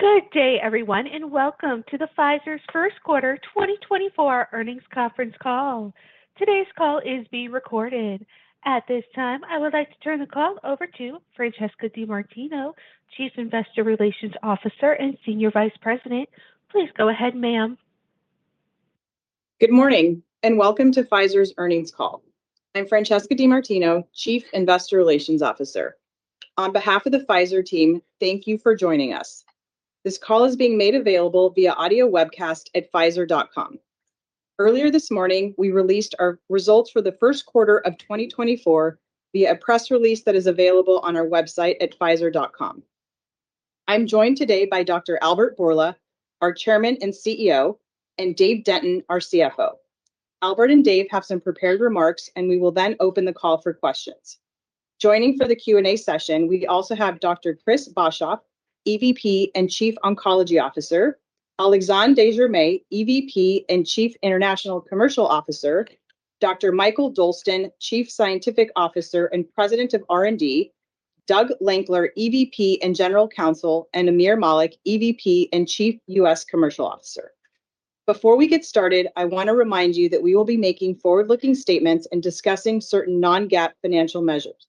Good day, everyone, and welcome to Pfizer's first quarter 2024 earnings conference call. Today's call is being recorded. At this time, I would like to turn the call over to Francesca DeMartino, Chief Investor Relations Officer and Senior Vice President. Please go ahead, ma'am. Good morning and welcome to Pfizer's earnings call. I'm Francesca DeMartino, Chief Investor Relations Officer. On behalf of the Pfizer team, thank you for joining us. This call is being made available via audio webcast at Pfizer.com. Earlier this morning, we released our results for the first quarter of 2024 via a press release that is available on our website at Pfizer.com. I'm joined today by Dr. Albert Bourla, our Chairman and CEO, and Dave Denton, our CFO. Albert and Dave have some prepared remarks, and we will then open the call for questions. Joining for the Q&A session, we also have Dr. Chris Boshoff, EVP and Chief Oncology Officer; Alexandre de Germay, EVP and Chief International Commercial Officer; Dr. Mikael Dolsten, Chief Scientific Officer and President of R&D; Doug Lankler, EVP and General Counsel; and Aamir Malik, EVP and Chief US Commercial Officer. Before we get started, I want to remind you that we will be making forward-looking statements and discussing certain non-GAAP financial measures.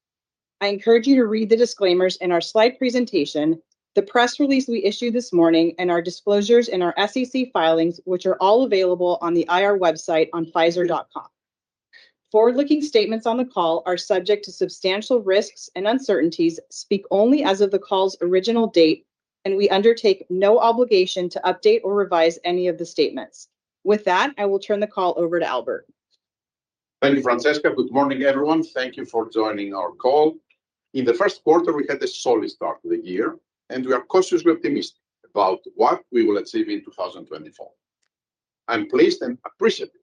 I encourage you to read the disclaimers in our slide presentation, the press release we issued this morning, and our disclosures in our SEC filings, which are all available on the IR website on Pfizer.com. Forward-looking statements on the call are subject to substantial risks and uncertainties, speak only as of the call's original date, and we undertake no obligation to update or revise any of the statements. With that, I will turn the call over to Albert. Thank you, Francesca. Good morning, everyone. Thank you for joining our call. In the first quarter, we had a solid start to the year, and we are cautiously optimistic about what we will achieve in 2024. I'm pleased and appreciative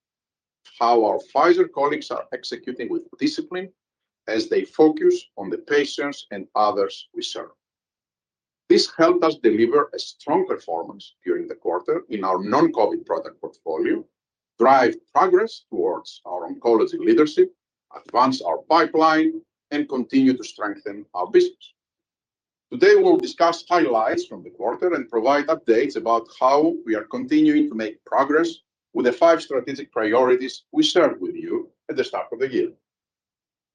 of how our Pfizer colleagues are executing with discipline as they focus on the patients and others we serve. This helped us deliver a strong performance during the quarter in our non-COVID product portfolio, drive progress towards our oncology leadership, advance our pipeline, and continue to strengthen our business. Today, we will discuss highlights from the quarter and provide updates about how we are continuing to make progress with the five strategic priorities we shared with you at the start of the year.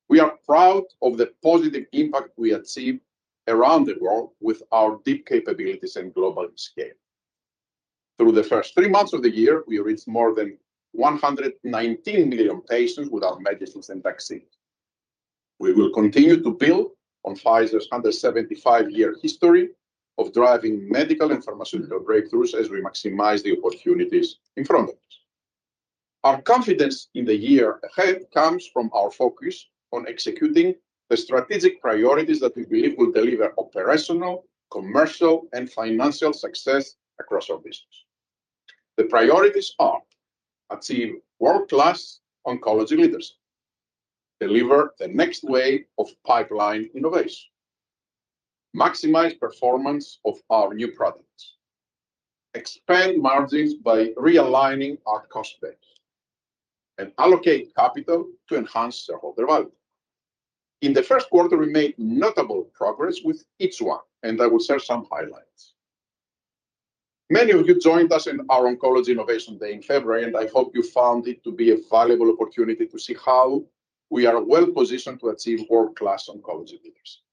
We are proud of the positive impact we achieved around the world with our deep capabilities and global scale. Through the first three months of the year, we reached more than 119 million patients with our medicines and vaccines. We will continue to build on Pfizer's 175-year history of driving medical and pharmaceutical breakthroughs as we maximize the opportunities in front of us. Our confidence in the year ahead comes from our focus on executing the strategic priorities that we believe will deliver operational, commercial, and financial success across our business. The priorities are: achieve world-class oncology leadership, deliver the next wave of pipeline innovation, maximize performance of our new products, expand margins by realigning our cost base, and allocate capital to enhance shareholder value. In the first quarter, we made notable progress with each one, and I will share some highlights. Many of you joined us in our Oncology Innovation Day in February, and I hope you found it to be a valuable opportunity to see how we are well-positioned to achieve world-class oncology leadership.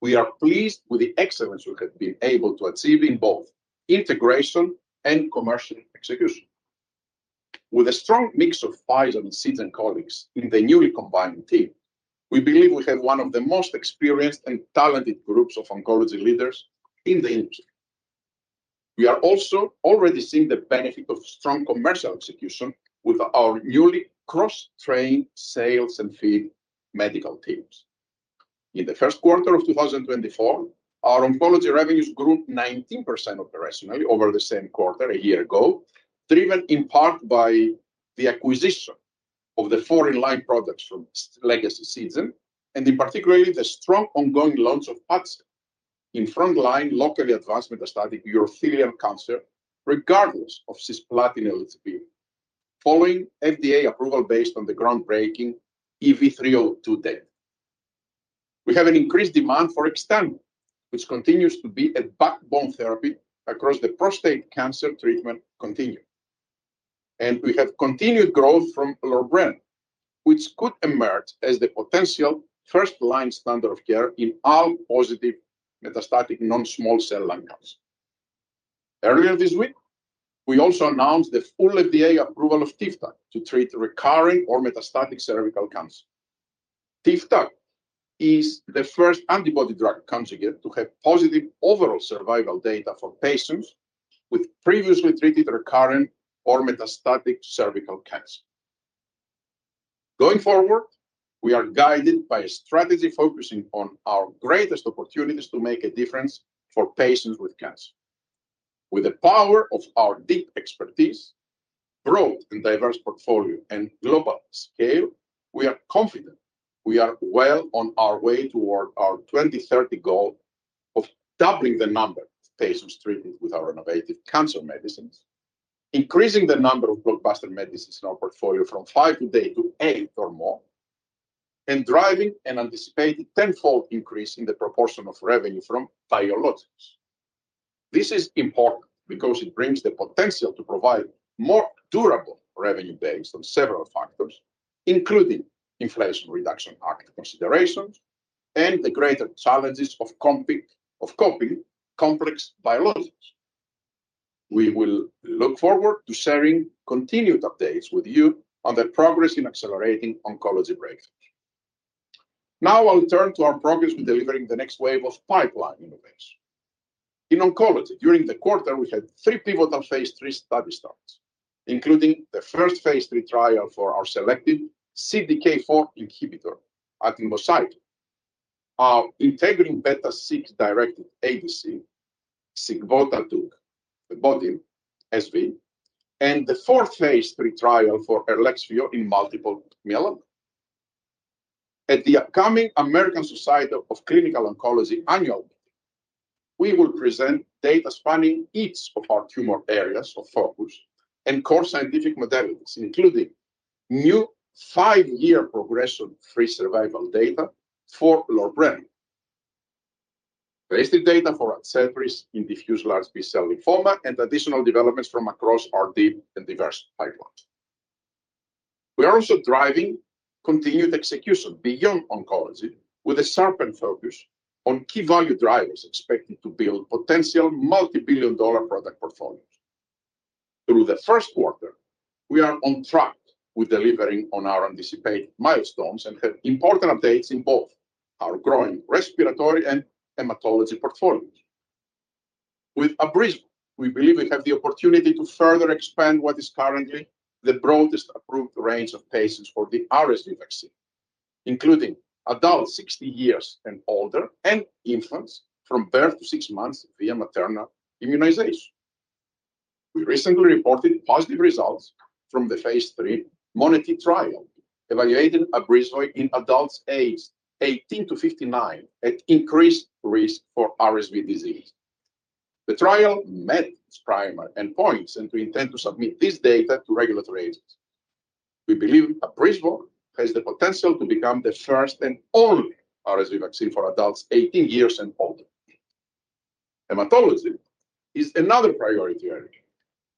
We are pleased with the excellence we have been able to achieve in both integration and commercial execution. With a strong mix of Pfizer and Seagen colleagues in the newly combined team, we believe we have one of the most experienced and talented groups of oncology leaders in the industry. We are also already seeing the benefit of strong commercial execution with our newly cross-trained sales and field medical teams. In the first quarter of 2024, our oncology revenues grew 19% operationally over the same quarter a year ago, driven in part by the acquisition of the front-line products from legacy Seagen and, in particular, the strong ongoing launch of Padcev in front-line locally advanced metastatic urothelial cancer, regardless of cisplatin eligibility, following FDA approval based on the groundbreaking EV-302 data. We have an increased demand for Xtandi, which continues to be a backbone therapy across the prostate cancer treatment continuum. And we have continued growth from Lorbrena, which could emerge as the potential first-line standard of care in ALK-positive metastatic non-small cell lung cancer. Earlier this week, we also announced the full FDA approval of Tivdak to treat recurring or metastatic cervical cancer. Tivdak is the first antibody-drug conjugate to have positive overall survival data for patients with previously treated recurrent or metastatic cervical cancer. Going forward, we are guided by a strategy focusing on our greatest opportunities to make a difference for patients with cancer. With the power of our deep expertise, broad and diverse portfolio, and global scale, we are confident we are well on our way toward our 2030 goal of doubling the number of patients treated with our innovative cancer medicines, increasing the number of blockbuster medicines in our portfolio from 5 today to 8 or more, and driving an anticipated tenfold increase in the proportion of revenue from biologics. This is important because it brings the potential to provide more durable revenue based on several factors, including Inflation Reduction Act considerations and the greater challenges of copying complex biologics. We will look forward to sharing continued updates with you on the progress in accelerating oncology breakthroughs. Now I'll turn to our progress in delivering the next wave of pipeline innovation. In oncology, during the quarter, we had three pivotal phase 3 study starts, including the first phase 3 trial for our selective CDK4 inhibitor, atirmociclib, our integrin beta-6 directed ADC, sigvotatug vedotin, and the fourth phase 3 trial for Elrexfio in multiple myeloma. At the upcoming American Society of Clinical Oncology annual meeting, we will present data spanning each of our tumor areas of focus and core scientific modalities, including new five-year progression-free survival data for Lorbrena, basic data for Adcetris in diffuse large B-cell lymphoma, and additional developments from across our deep and diverse pipeline. We are also driving continued execution beyond oncology with a sharpened focus on key value drivers expected to build potential multibillion-dollar product portfolios. Through the first quarter, we are on track with delivering on our anticipated milestones and have important updates in both our growing respiratory and hematology portfolios. With Abrysvo, we believe we have the opportunity to further expand what is currently the broadest approved range of patients for the RSV vaccine, including adults 60 years and older and infants from birth to six months via maternal immunization. We recently reported positive results from the phase 3 MONeT trial evaluating Abrysvo in adults aged 18 to 59 at increased risk for RSV disease. The trial met its primary endpoints and we intend to submit this data to regulatory authorities. We believe Abrysvo has the potential to become the first and only RSV vaccine for adults 18 years and older. Hematology is another priority area.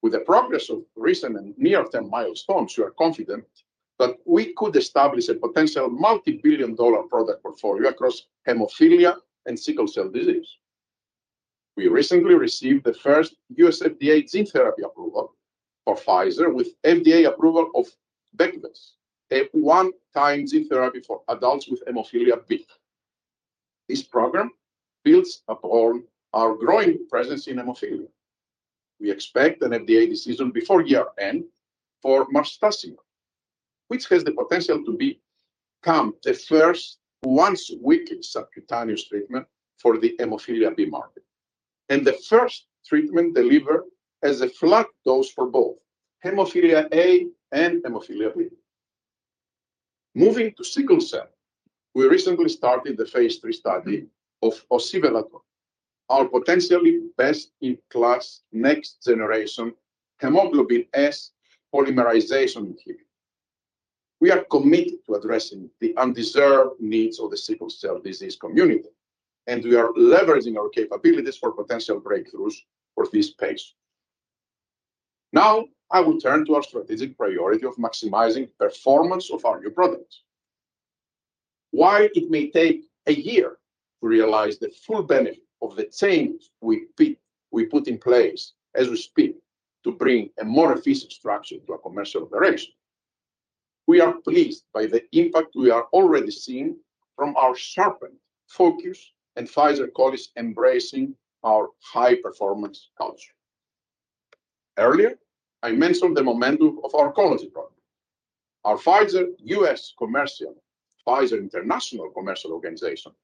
With the progress of recent and near-term milestones, we are confident that we could establish a potential multibillion-dollar product portfolio across hemophilia and sickle cell disease. We recently received the first U.S. FDA gene therapy approval for Pfizer with FDA approval of Beqvez, a one-time gene therapy for adults with hemophilia B. This program builds upon our growing presence in hemophilia. We expect an FDA decision before year-end for marstacimab, which has the potential to become the first once-weekly subcutaneous treatment for the hemophilia B market and the first treatment delivered as a flat dose for both hemophilia A and hemophilia B. Moving to sickle cell, we recently started the phase 3 study of osivelotor, our potentially best-in-class next-generation hemoglobin S polymerization inhibitor. We are committed to addressing the underserved needs of the sickle cell disease community, and we are leveraging our capabilities for potential breakthroughs for this patient. Now I will turn to our strategic priority of maximizing performance of our new products. While it may take a year to realize the full benefit of the changes we put in place as we speed to bring a more efficient structure to a commercial operation, we are pleased by the impact we are already seeing from our sharpened focus and Pfizer colleagues embracing our high-performance culture. Earlier, I mentioned the momentum of our oncology program. Our Pfizer U.S. Commercial, Pfizer International Commercial Organizations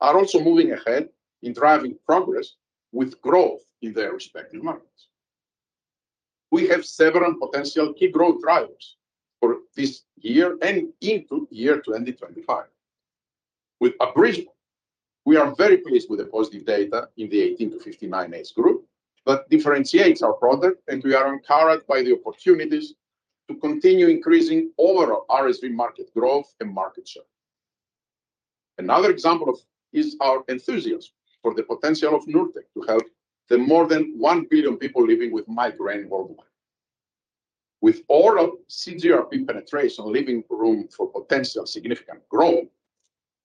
are also moving ahead in driving progress with growth in their respective markets. We have several potential key growth drivers for this year and into year-end 2025. With Abrysvo, we are very pleased with the positive data in the 18-59 age group that differentiates our product, and we are encouraged by the opportunities to continue increasing overall RSV market growth and market share. Another example is our enthusiasm for the potential of Nurtec to help the more than 1 billion people living with migraine worldwide. With oral CGRP penetration leaving room for potential significant growth,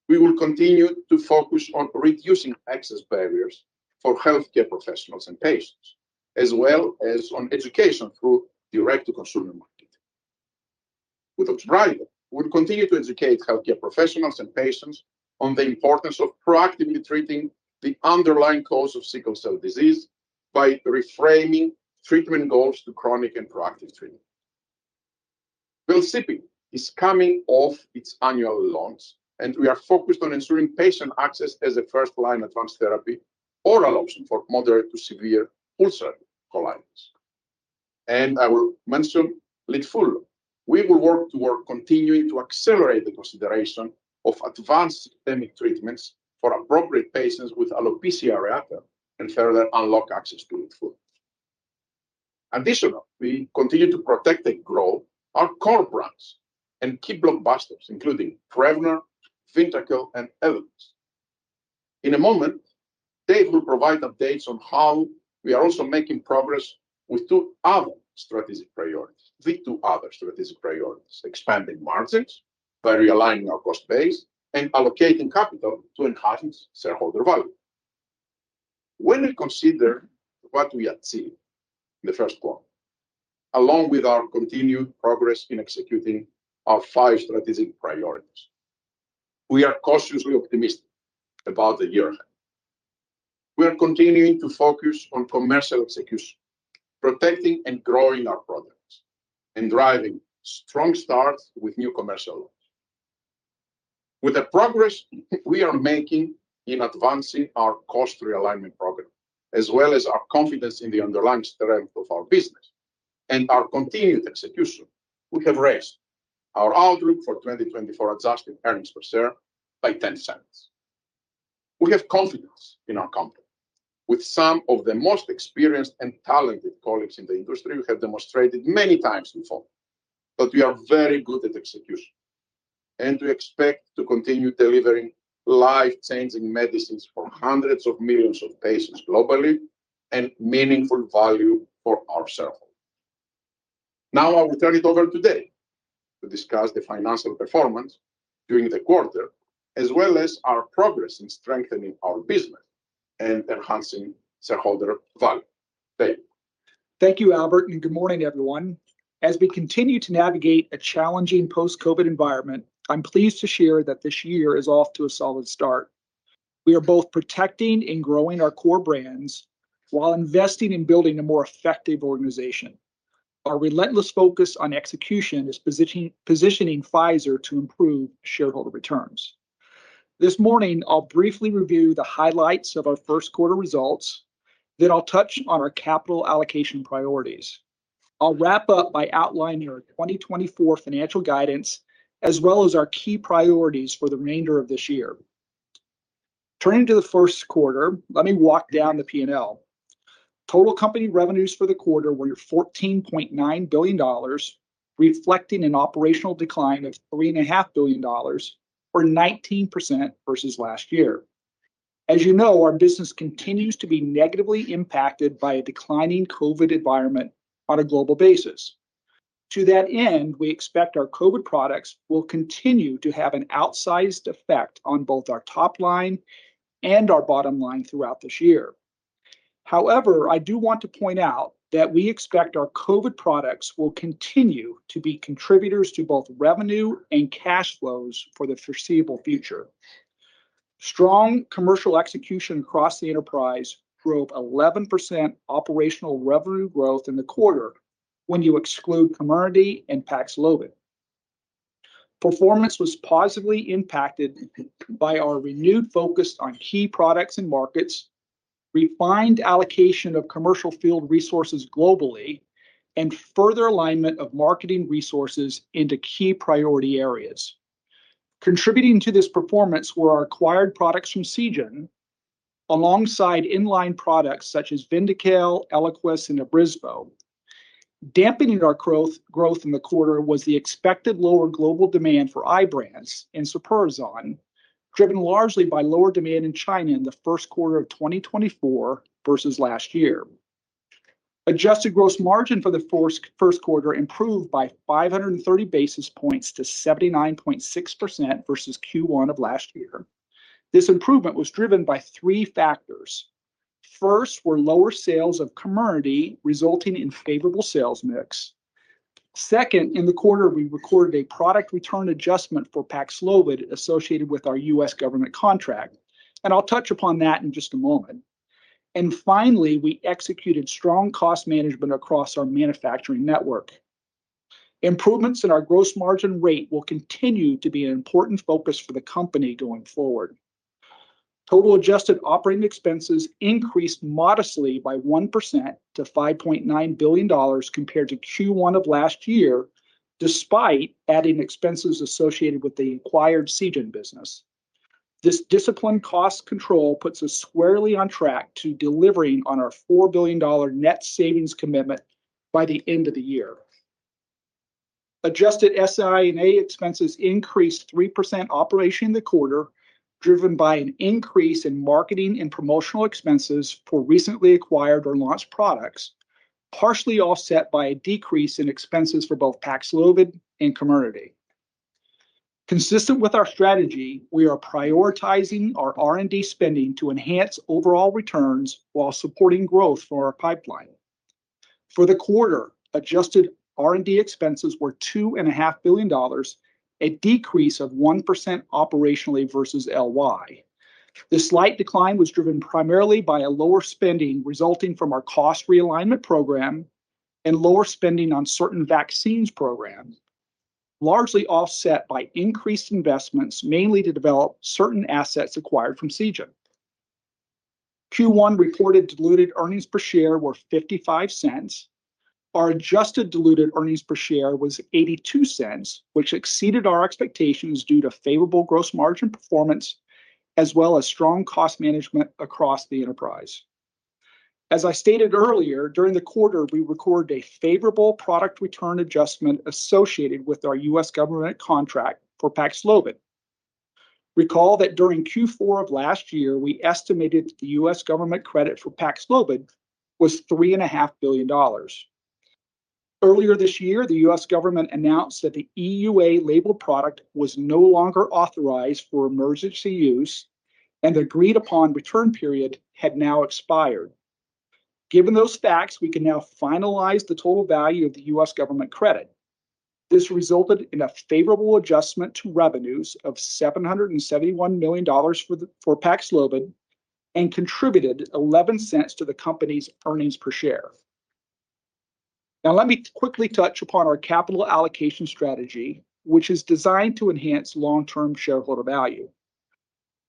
we will continue to focus on reducing access barriers for healthcare professionals and patients, as well as on education through direct-to-consumer marketing. With Oxbryta, we will continue to educate healthcare professionals and patients on the importance of proactively treating the underlying cause of sickle cell disease by reframing treatment goals to chronic and proactive treatment. Velsipity is coming off its annual launch, and we are focused on ensuring patient access as a first-line advanced therapy oral option for moderate to severe ulcerative colitis. I will mention Litfulo. We will work toward continuing to accelerate the consideration of advanced systemic treatments for appropriate patients with alopecia areata and further unlock access to Litfulo. Additionally, we continue to protect and grow our core brands and key blockbusters, including Prevnar, Vyndaqel, and Eliquis. In a moment, Dave will provide updates on how we are also making progress with two other strategic priorities, the two other strategic priorities, expanding margins by realigning our cost base and allocating capital to enhance shareholder value. When we consider what we achieved in the first quarter, along with our continued progress in executing our five strategic priorities, we are cautiously optimistic about the year ahead. We are continuing to focus on commercial execution, protecting and growing our products, and driving strong starts with new commercial launches. With the progress we are making in advancing our cost realignment program, as well as our confidence in the underlying strength of our business and our continued execution, we have raised our outlook for 2024 adjusted earnings per share by $0.10. We have confidence in our company. With some of the most experienced and talented colleagues in the industry, we have demonstrated many times before, that we are very good at execution and we expect to continue delivering life-changing medicines for hundreds of millions of patients globally and meaningful value for our shareholders. Now I will turn it over to Dave to discuss the financial performance during the quarter, as well as our progress in strengthening our business and enhancing shareholder value. Dave. Thank you, Albert, and good morning, everyone. As we continue to navigate a challenging post-COVID environment, I'm pleased to share that this year is off to a solid start. We are both protecting and growing our core brands while investing in building a more effective organization. Our relentless focus on execution is positioning Pfizer to improve shareholder returns. This morning, I'll briefly review the highlights of our first quarter results. Then I'll touch on our capital allocation priorities. I'll wrap up by outlining our 2024 financial guidance, as well as our key priorities for the remainder of this year. Turning to the first quarter, let me walk down the P&L. Total company revenues for the quarter were $14.9 billion, reflecting an operational decline of $3.5 billion, or 19% versus last year. As you know, our business continues to be negatively impacted by a declining COVID environment on a global basis. To that end, we expect our COVID products will continue to have an outsized effect on both our top line and our bottom line throughout this year. However, I do want to point out that we expect our COVID products will continue to be contributors to both revenue and cash flows for the foreseeable future. Strong commercial execution across the enterprise drove 11% operational revenue growth in the quarter when you exclude Comirnaty and Paxlovid. Performance was positively impacted by our renewed focus on key products and markets, refined allocation of commercial field resources globally, and further alignment of marketing resources into key priority areas. Contributing to this performance were our acquired products from Seagen, alongside inline products such as Vyndaqel, Eliquis, and Abrysvo. Dampening our growth in the quarter was the expected lower global demand for Ibrance and Sulperazon, driven largely by lower demand in China in the first quarter of 2024 versus last year. Adjusted gross margin for the first quarter improved by 530 basis points to 79.6% versus Q1 of last year. This improvement was driven by three factors. First were lower sales of Comirnaty, resulting in favorable sales mix. Second, in the quarter, we recorded a product return adjustment for Paxlovid associated with our US government contract, and I'll touch upon that in just a moment. And finally, we executed strong cost management across our manufacturing network. Improvements in our gross margin rate will continue to be an important focus for the company going forward. Total adjusted operating expenses increased modestly by 1% to $5.9 billion compared to Q1 of last year, despite adding expenses associated with the acquired Seagen business. This disciplined cost control puts us squarely on track to delivering on our $4 billion net savings commitment by the end of the year. Adjusted SI&A expenses increased 3% operationally in the quarter, driven by an increase in marketing and promotional expenses for recently acquired or launched products, partially offset by a decrease in expenses for both Paxlovid and Comirnaty. Consistent with our strategy, we are prioritizing our R&D spending to enhance overall returns while supporting growth for our pipeline. For the quarter, adjusted R&D expenses were $2.5 billion, a decrease of 1% operationally versus LY. This slight decline was driven primarily by a lower spending resulting from our cost realignment program and lower spending on certain vaccines programs, largely offset by increased investments mainly to develop certain assets acquired from Seagen. Q1 reported diluted earnings per share were $0.55. Our adjusted diluted earnings per share was $0.82, which exceeded our expectations due to favorable gross margin performance, as well as strong cost management across the enterprise. As I stated earlier, during the quarter, we recorded a favorable product return adjustment associated with our U.S. government contract for Paxlovid. Recall that during Q4 of last year, we estimated the U.S. government credit for Paxlovid was $3.5 billion. Earlier this year, the U.S. government announced that the EUA labeled product was no longer authorized for emergency use, and the agreed-upon return period had now expired. Given those facts, we can now finalize the total value of the U.S. government credit. This resulted in a favorable adjustment to revenues of $771 million for Paxlovid and contributed $0.11 to the company's earnings per share. Now let me quickly touch upon our capital allocation strategy, which is designed to enhance long-term shareholder value.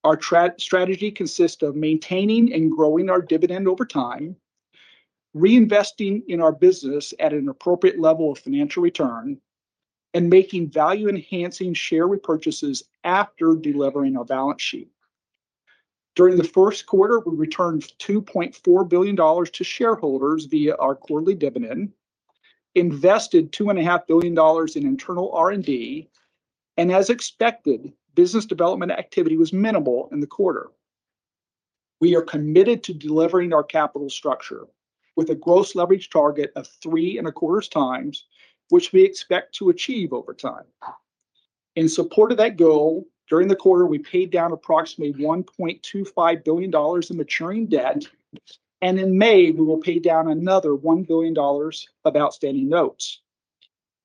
Our strategy consists of maintaining and growing our dividend over time, reinvesting in our business at an appropriate level of financial return, and making value-enhancing share repurchases after delivering our balance sheet. During the first quarter, we returned $2.4 billion to shareholders via our quarterly dividend, invested $2.5 billion in internal R&D, and as expected, business development activity was minimal in the quarter. We are committed to delivering our capital structure with a gross leverage target of 3.25 times, which we expect to achieve over time. In support of that goal, during the quarter, we paid down approximately $1.25 billion in maturing debt, and in May, we will pay down another $1 billion of outstanding notes.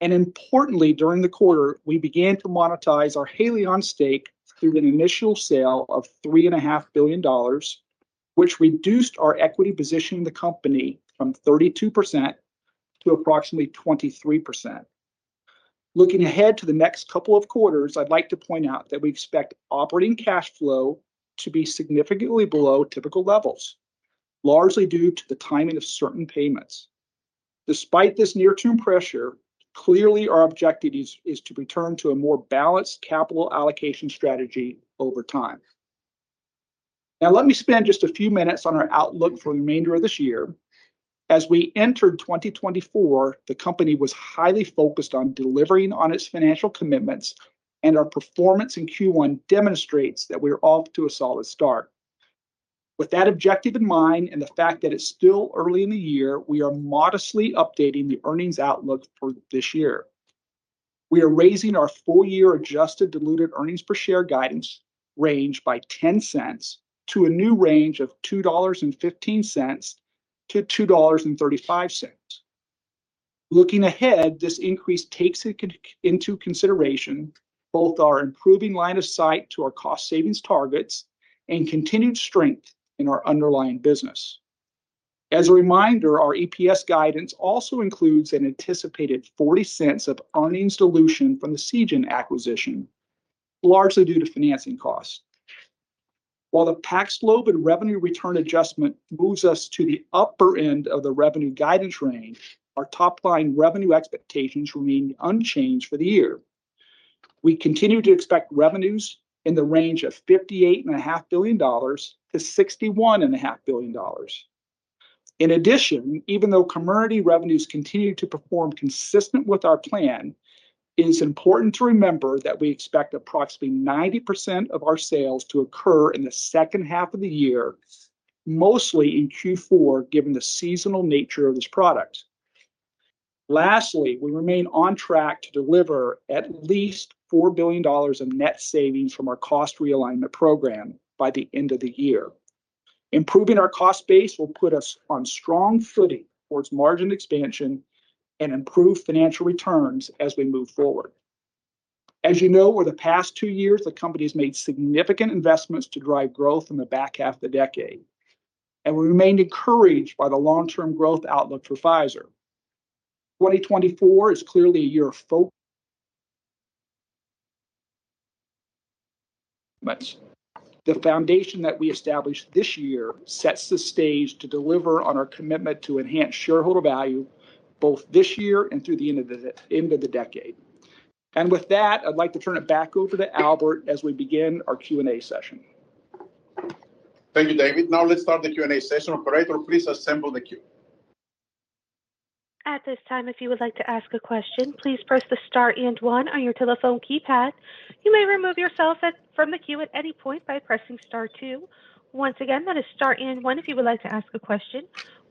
Importantly, during the quarter, we began to monetize our Haleon stake through an initial sale of $3.5 billion, which reduced our equity position in the company from 32% to approximately 23%. Looking ahead to the next couple of quarters, I'd like to point out that we expect operating cash flow to be significantly below typical levels, largely due to the timing of certain payments. Despite this near-term pressure, clearly our objective is to return to a more balanced capital allocation strategy over time. Now let me spend just a few minutes on our outlook for the remainder of this year. As we entered 2024, the company was highly focused on delivering on its financial commitments, and our performance in Q1 demonstrates that we are off to a solid start. With that objective in mind and the fact that it's still early in the year, we are modestly updating the earnings outlook for this year. We are raising our full-year adjusted diluted earnings per share guidance range by $0.10 to a new range of $2.15-$2.35. Looking ahead, this increase takes into consideration both our improving line of sight to our cost savings targets and continued strength in our underlying business. As a reminder, our EPS guidance also includes an anticipated $0.40 of earnings dilution from the Seagen acquisition, largely due to financing costs. While the Paxlovid revenue return adjustment moves us to the upper end of the revenue guidance range, our top-line revenue expectations remain unchanged for the year. We continue to expect revenues in the range of $58.5 billion-$61.5 billion. In addition, even though Comirnaty revenues continue to perform consistent with our plan, it is important to remember that we expect approximately 90% of our sales to occur in the second half of the year, mostly in Q4, given the seasonal nature of this product. Lastly, we remain on track to deliver at least $4 billion of net savings from our cost realignment program by the end of the year. Improving our cost base will put us on strong footing towards margin expansion and improve financial returns as we move forward. As you know, over the past two years, the company has made significant investments to drive growth in the back half of the decade, and we remain encouraged by the long-term growth outlook for Pfizer. 2024 is clearly a year of focus. The foundation that we established this year sets the stage to deliver on our commitment to enhance shareholder value both this year and through the end of the decade. With that, I'd like to turn it back over to Albert as we begin our Q&A session. Thank you, David. Now let's start the Q&A session. Operator, please assemble the queue. At this time, if you would like to ask a question, please press the star and one on your telephone keypad. You may remove yourself from the queue at any point by pressing star two. Once again, that is star and one if you would like to ask a question.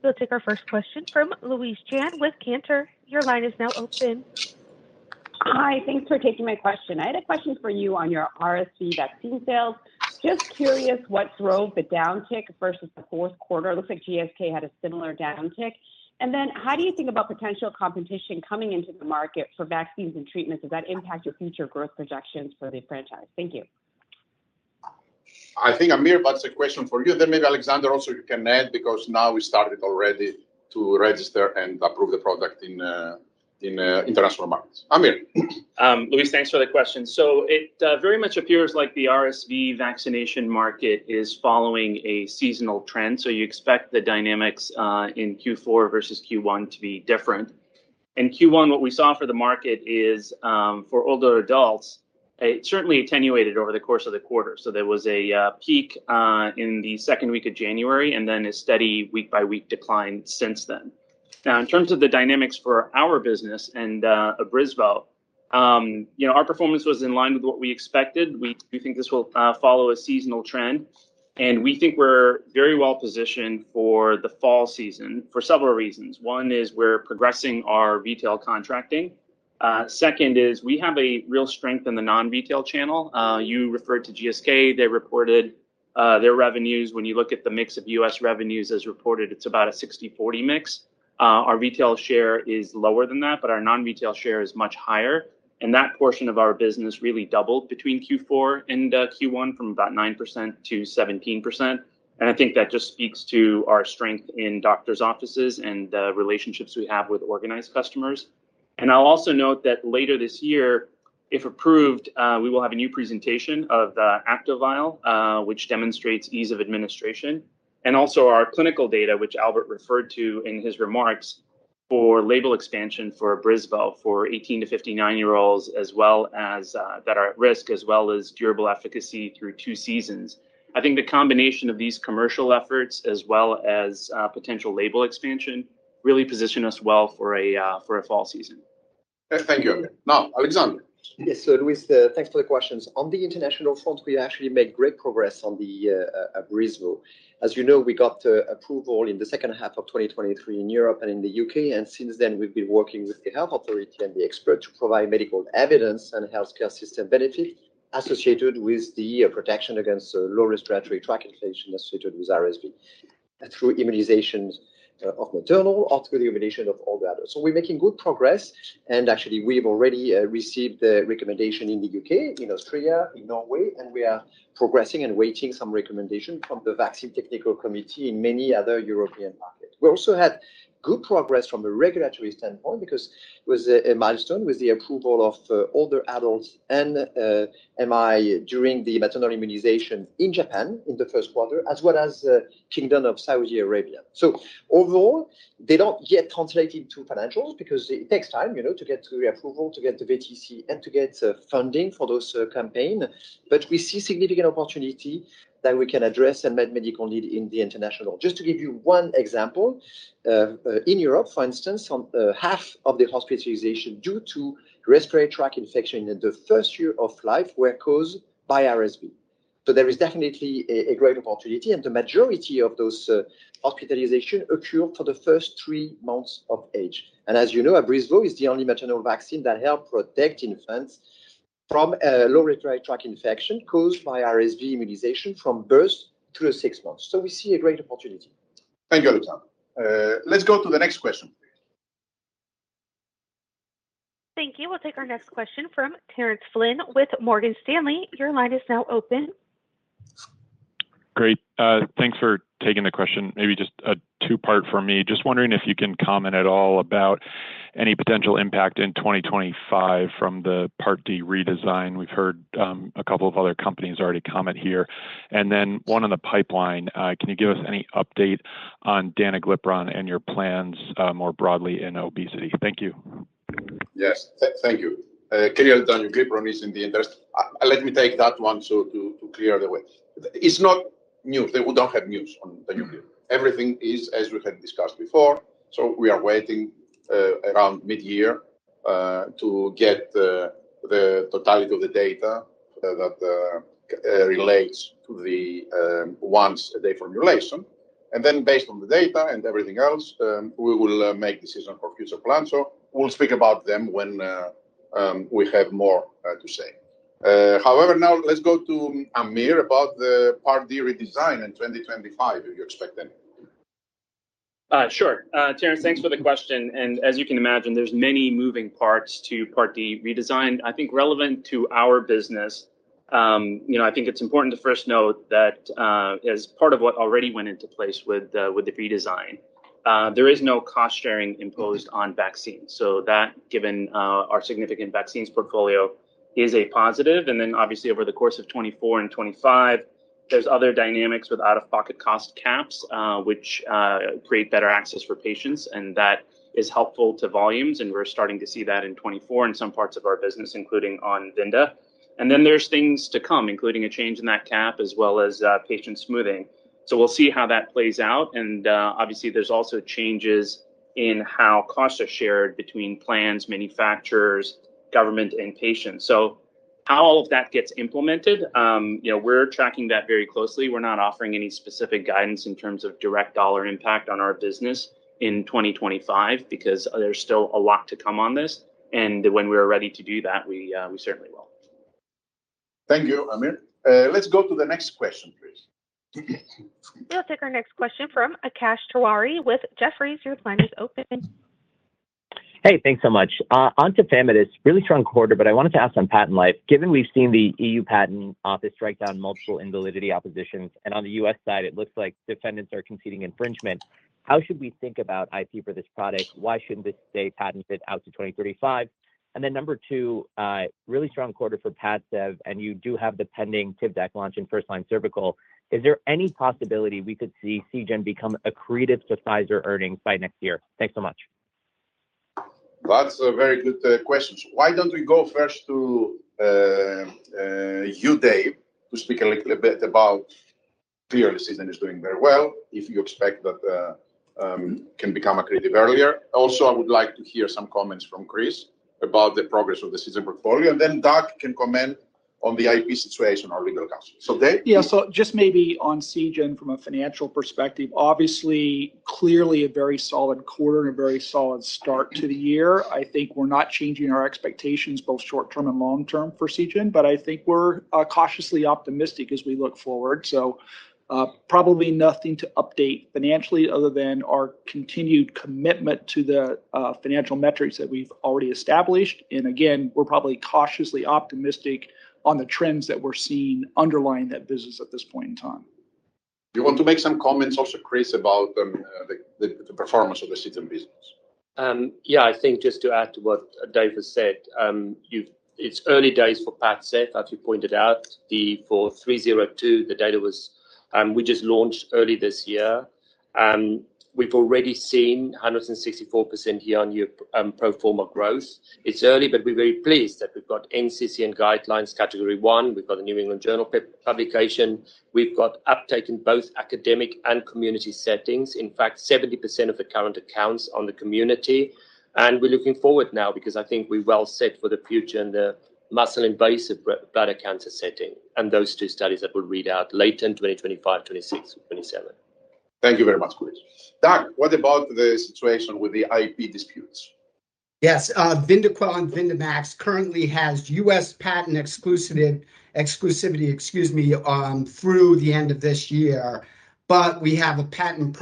We'll take our first question from Louise Chen with Cantor. Your line is now open. Hi, thanks for taking my question. I had a question for you on your RSV vaccine sales. Just curious what drove the downtick versus the fourth quarter. It looks like GSK had a similar downtick. And then how do you think about potential competition coming into the market for vaccines and treatments? Does that impact your future growth projections for the franchise? Thank you. I think, Amir, that's a question for you. Then maybe Alexandre also, you can add because now we started already to register and approve the product in international markets. Amir. Louise, thanks for the question. So it very much appears like the RSV vaccination market is following a seasonal trend. So you expect the dynamics in Q4 versus Q1 to be different. In Q1, what we saw for the market is for older adults, it certainly attenuated over the course of the quarter. So there was a peak in the second week of January and then a steady week-by-week decline since then. Now, in terms of the dynamics for our business and Abrysvo, our performance was in line with what we expected. We do think this will follow a seasonal trend, and we think we're very well positioned for the fall season for several reasons. One is we're progressing our retail contracting. Second is we have a real strength in the non-retail channel. You referred to GSK. They reported their revenues. When you look at the mix of U.S. revenues as reported, it's about a 60/40 mix. Our retail share is lower than that, but our non-retail share is much higher. That portion of our business really doubled between Q4 and Q1 from about 9%-17%. I think that just speaks to our strength in doctors' offices and the relationships we have with organized customers. I'll also note that later this year, if approved, we will have a new presentation of the Abrysvo, which demonstrates ease of administration, and also our clinical data, which Albert referred to in his remarks for label expansion for Abrysvo for 18-59-year-olds that are at risk, as well as durable efficacy through two seasons. I think the combination of these commercial efforts, as well as potential label expansion, really position us well for a fall season. Thank you, Amir. Now, Alexandre. Yes, so Louise, thanks for the questions. On the international front, we actually make great progress on the Abrysvo. As you know, we got approval in the second half of 2023 in Europe and in the UK. And since then, we've been working with the health authority and the expert to provide medical evidence and healthcare system benefits associated with the protection against lower respiratory tract infection associated with RSV through immunizations of maternal, also the immunization of all the others. So we're making good progress. And actually, we've already received the recommendation in the UK, in Austria, in Norway, and we are progressing and waiting some recommendation from the Vaccine Technical Committee in many other European markets. We also had good progress from a regulatory standpoint because it was a milestone with the approval of older adults and MI during the maternal immunization in Japan in the first quarter, as well as the Kingdom of Saudi Arabia. So overall, they don't yet translate into financials because it takes time to get through the approval, to get the VTC, and to get funding for those campaigns. But we see significant opportunity that we can address and meet medical need in the international. Just to give you one example, in Europe, for instance, half of the hospitalization due to respiratory tract infection in the first year of life were caused by RSV. So there is definitely a great opportunity, and the majority of those hospitalizations occur for the first three months of age. As you know, Abrysvo is the only maternal vaccine that helps protect infants from lower respiratory tract infection caused by RSV immunization from birth through six months. We see a great opportunity. Thank you, Alexander. Let's go to the next question, please. Thank you. We'll take our next question from Terence Flynn with Morgan Stanley. Your line is now open. Great. Thanks for taking the question. Maybe just a two-part for me. Just wondering if you can comment at all about any potential impact in 2025 from the Part D redesign. We've heard a couple of other companies already comment here. And then one on the pipeline, can you give us any update on danuglipron and your plans more broadly in obesity? Thank you. Yes, thank you. Clearly danuglipron is in the interest. Let me take that one to clear the way. It's not news. We don't have news on danuglipron. Everything is as we had discussed before. We are waiting around midyear to get the totality of the data that relates to the once-a-day formulation. And then based on the data and everything else, we will make decisions for future plans. We'll speak about them when we have more to say. However, now let's go to Amir about the Part D redesign in 2025. Do you expect any? Sure. Terrence, thanks for the question. And as you can imagine, there's many moving parts to Part D redesign. I think relevant to our business, I think it's important to first note that as part of what already went into place with the redesign, there is no cost-sharing imposed on vaccines. So that, given our significant vaccines portfolio, is a positive. And then obviously, over the course of 2024 and 2025, there's other dynamics with out-of-pocket cost caps, which create better access for patients. And that is helpful to volumes. And we're starting to see that in 2024 in some parts of our business, including on Vyndaqel. And then there's things to come, including a change in that cap as well as patient smoothing. So we'll see how that plays out. And obviously, there's also changes in how costs are shared between plans, manufacturers, government, and patients. How all of that gets implemented, we're tracking that very closely. We're not offering any specific guidance in terms of direct dollar impact on our business in 2025 because there's still a lot to come on this. When we are ready to do that, we certainly will. Thank you, Aamir. Let's go to the next question, please. We'll take our next question from Akash Tewari with Jefferies. Your line is open. Hey, thanks so much. On to Vyndamax. Really strong quarter, but I wanted to ask on patent life. Given we've seen the E.U. patent office strike down multiple invalidity oppositions, and on the U.S. side, it looks like defendants are conceding infringement, how should we think about IP for this product? Why shouldn't this stay patented out to 2035? And then number two, really strong quarter for Padcev, and you do have the pending Tivdak launch in first-line cervical. Is there any possibility we could see Seagen become accretive to Pfizer earnings by next year? Thanks so much. That's a very good question. Why don't we go first to you, Dave, to speak a little bit about clearly Seagen is doing very well if you expect that can become accretive earlier? Also, I would like to hear some comments from Chris about the progress of the Seagen portfolio. And then Doug can comment on the IP situation, our legal counsel. So Dave. Yeah, so just maybe on Seagen from a financial perspective, obviously, clearly a very solid quarter and a very solid start to the year. I think we're not changing our expectations, both short-term and long-term, for Seagen, but I think we're cautiously optimistic as we look forward. So probably nothing to update financially other than our continued commitment to the financial metrics that we've already established. Again, we're probably cautiously optimistic on the trends that we're seeing underlying that business at this point in time. You want to make some comments also, Chris, about the performance of the Seagen business? Yeah, I think just to add to what Dave has said, it's early days for Padcev, as you pointed out. For 302, the data was we just launched early this year. We've already seen 164% year-on-year pro forma growth. It's early, but we're very pleased that we've got NCCN guidelines category one. We've got the New England Journal publication. We've got uptake in both academic and community settings. In fact, 70% of the current accounts in the community. And we're looking forward now because I think we're well set for the future in the muscle-invasive bladder cancer setting and those two studies that we'll read out later in 2025, 2026, 2027. Thank you very much, Chris. Doug, what about the situation with the IP disputes? Yes, Vyndaqel and Vyndamax currently has U.S. patent exclusivity through the end of this year. But we have a patent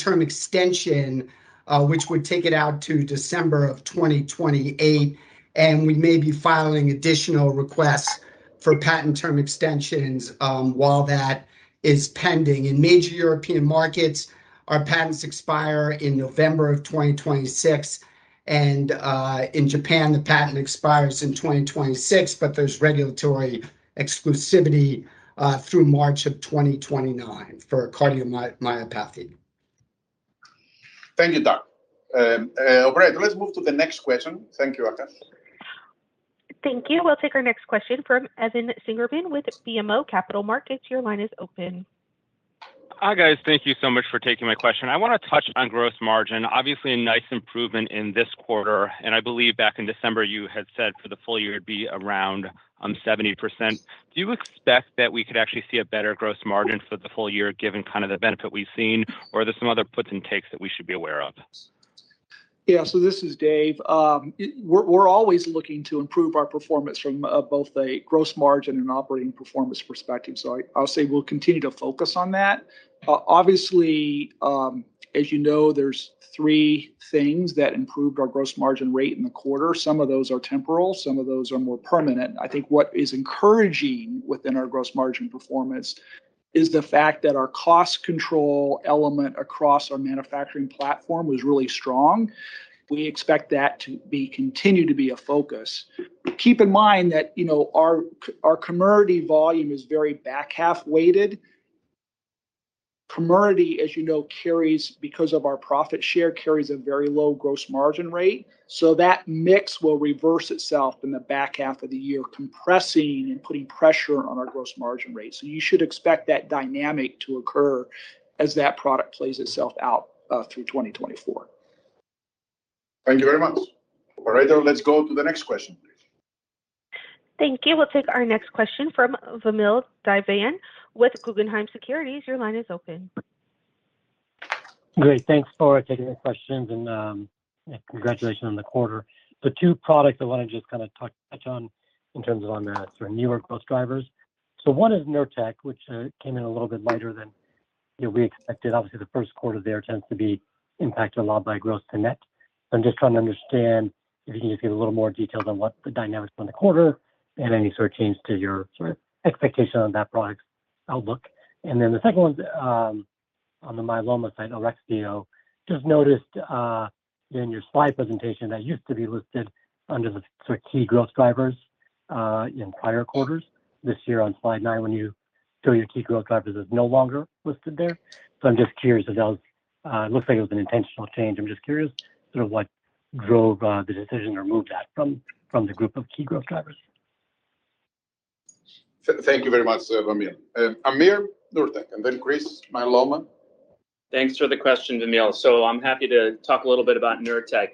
term extension, which would take it out to December of 2028. We may be filing additional requests for patent term extensions while that is pending. In major European markets, our patents expire in November of 2026. In Japan, the patent expires in 2026, but there's regulatory exclusivity through March of 2029 for cardiomyopathy. Thank you, Doug. Operator, let's move to the next question. Thank you, Akash. Thank you. We'll take our next question from Evan Seigerman with BMO Capital Markets. Your line is open. Hi guys, thank you so much for taking my question. I want to touch on gross margin. Obviously, a nice improvement in this quarter. And I believe back in December, you had said for the full year it'd be around 70%. Do you expect that we could actually see a better gross margin for the full year given kind of the benefit we've seen, or are there some other puts and takes that we should be aware of? Yeah, so this is Dave. We're always looking to improve our performance from both a gross margin and operating performance perspective. So I'll say we'll continue to focus on that. Obviously, as you know, there's three things that improved our gross margin rate in the quarter. Some of those are temporal. Some of those are more permanent. I think what is encouraging within our gross margin performance is the fact that our cost control element across our manufacturing platform was really strong. We expect that to continue to be a focus. Keep in mind that our Comirnaty volume is very back-half-weighted. Comirnaty, as you know, because of our profit share, carries a very low gross margin rate. So that mix will reverse itself in the back half of the year, compressing and putting pressure on our gross margin rate. You should expect that dynamic to occur as that product plays itself out through 2024. Thank you very much. Operator, let's go to the next question, please. Thank you. We'll take our next question from Vamil Divan with Guggenheim Securities. Your line is open. Great. Thanks for taking the questions and congratulations on the quarter. The two products I want to just kind of touch on in terms of on the sort of newer growth drivers. So one is Nurtec, which came in a little bit lighter than we expected. Obviously, the first quarter there tends to be impacted a lot by gross to net. So I'm just trying to understand if you can just give a little more details on what the dynamics were in the quarter and any sort of change to your sort of expectation on that product's outlook. And then the second one's on the myeloma side, Elrexfio. Just noticed in your slide presentation that used to be listed under the sort of key growth drivers in prior quarters. This year on slide nine, when you show your key growth drivers, it's no longer listed there. I'm just curious if that was it looks like it was an intentional change. I'm just curious sort of what drove the decision to remove that from the group of key growth drivers. Thank you very much, Vamil. Amir, Nurtec. And then Chris, myeloma. Thanks for the question, Vamil. So I'm happy to talk a little bit about Nurtec.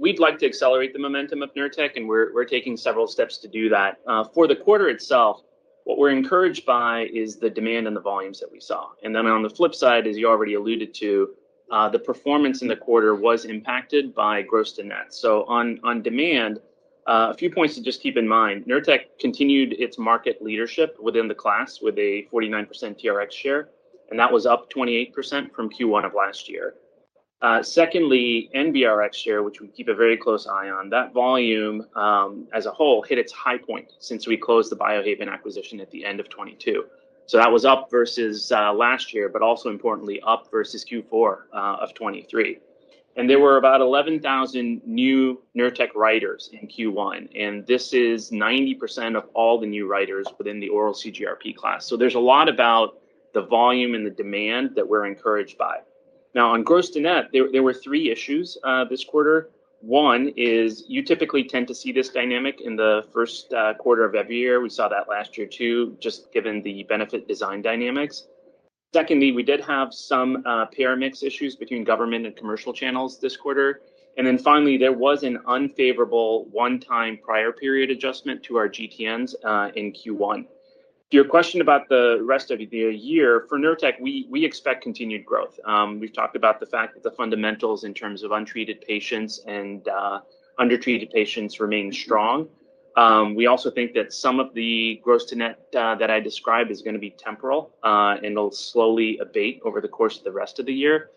We'd like to accelerate the momentum of Nurtec, and we're taking several steps to do that. For the quarter itself, what we're encouraged by is the demand and the volumes that we saw. And then on the flip side, as you already alluded to, the performance in the quarter was impacted by gross to net. So on demand, a few points to just keep in mind. Nurtec continued its market leadership within the class with a 49% TRX share, and that was up 28% from Q1 of last year. Secondly, NBRX share, which we keep a very close eye on, that volume as a whole hit its high point since we closed the Biohaven acquisition at the end of 2022. So that was up versus last year, but also importantly, up versus Q4 of 2023. There were about 11,000 new Nurtec writers in Q1. This is 90% of all the new writers within the oral CGRP class. There's a lot about the volume and the demand that we're encouraged by. Now, on gross to net, there were three issues this quarter. One is you typically tend to see this dynamic in the first quarter of every year. We saw that last year too, just given the benefit design dynamics. Secondly, we did have some payer mix issues between government and commercial channels this quarter. Then finally, there was an unfavorable one-time prior period adjustment to our GTNs in Q1. To your question about the rest of the year, for Nurtec, we expect continued growth. We've talked about the fact that the fundamentals in terms of untreated patients and undertreated patients remain strong. We also think that some of the gross to net that I described is going to be temporal and will slowly abate over the course of the rest of the year.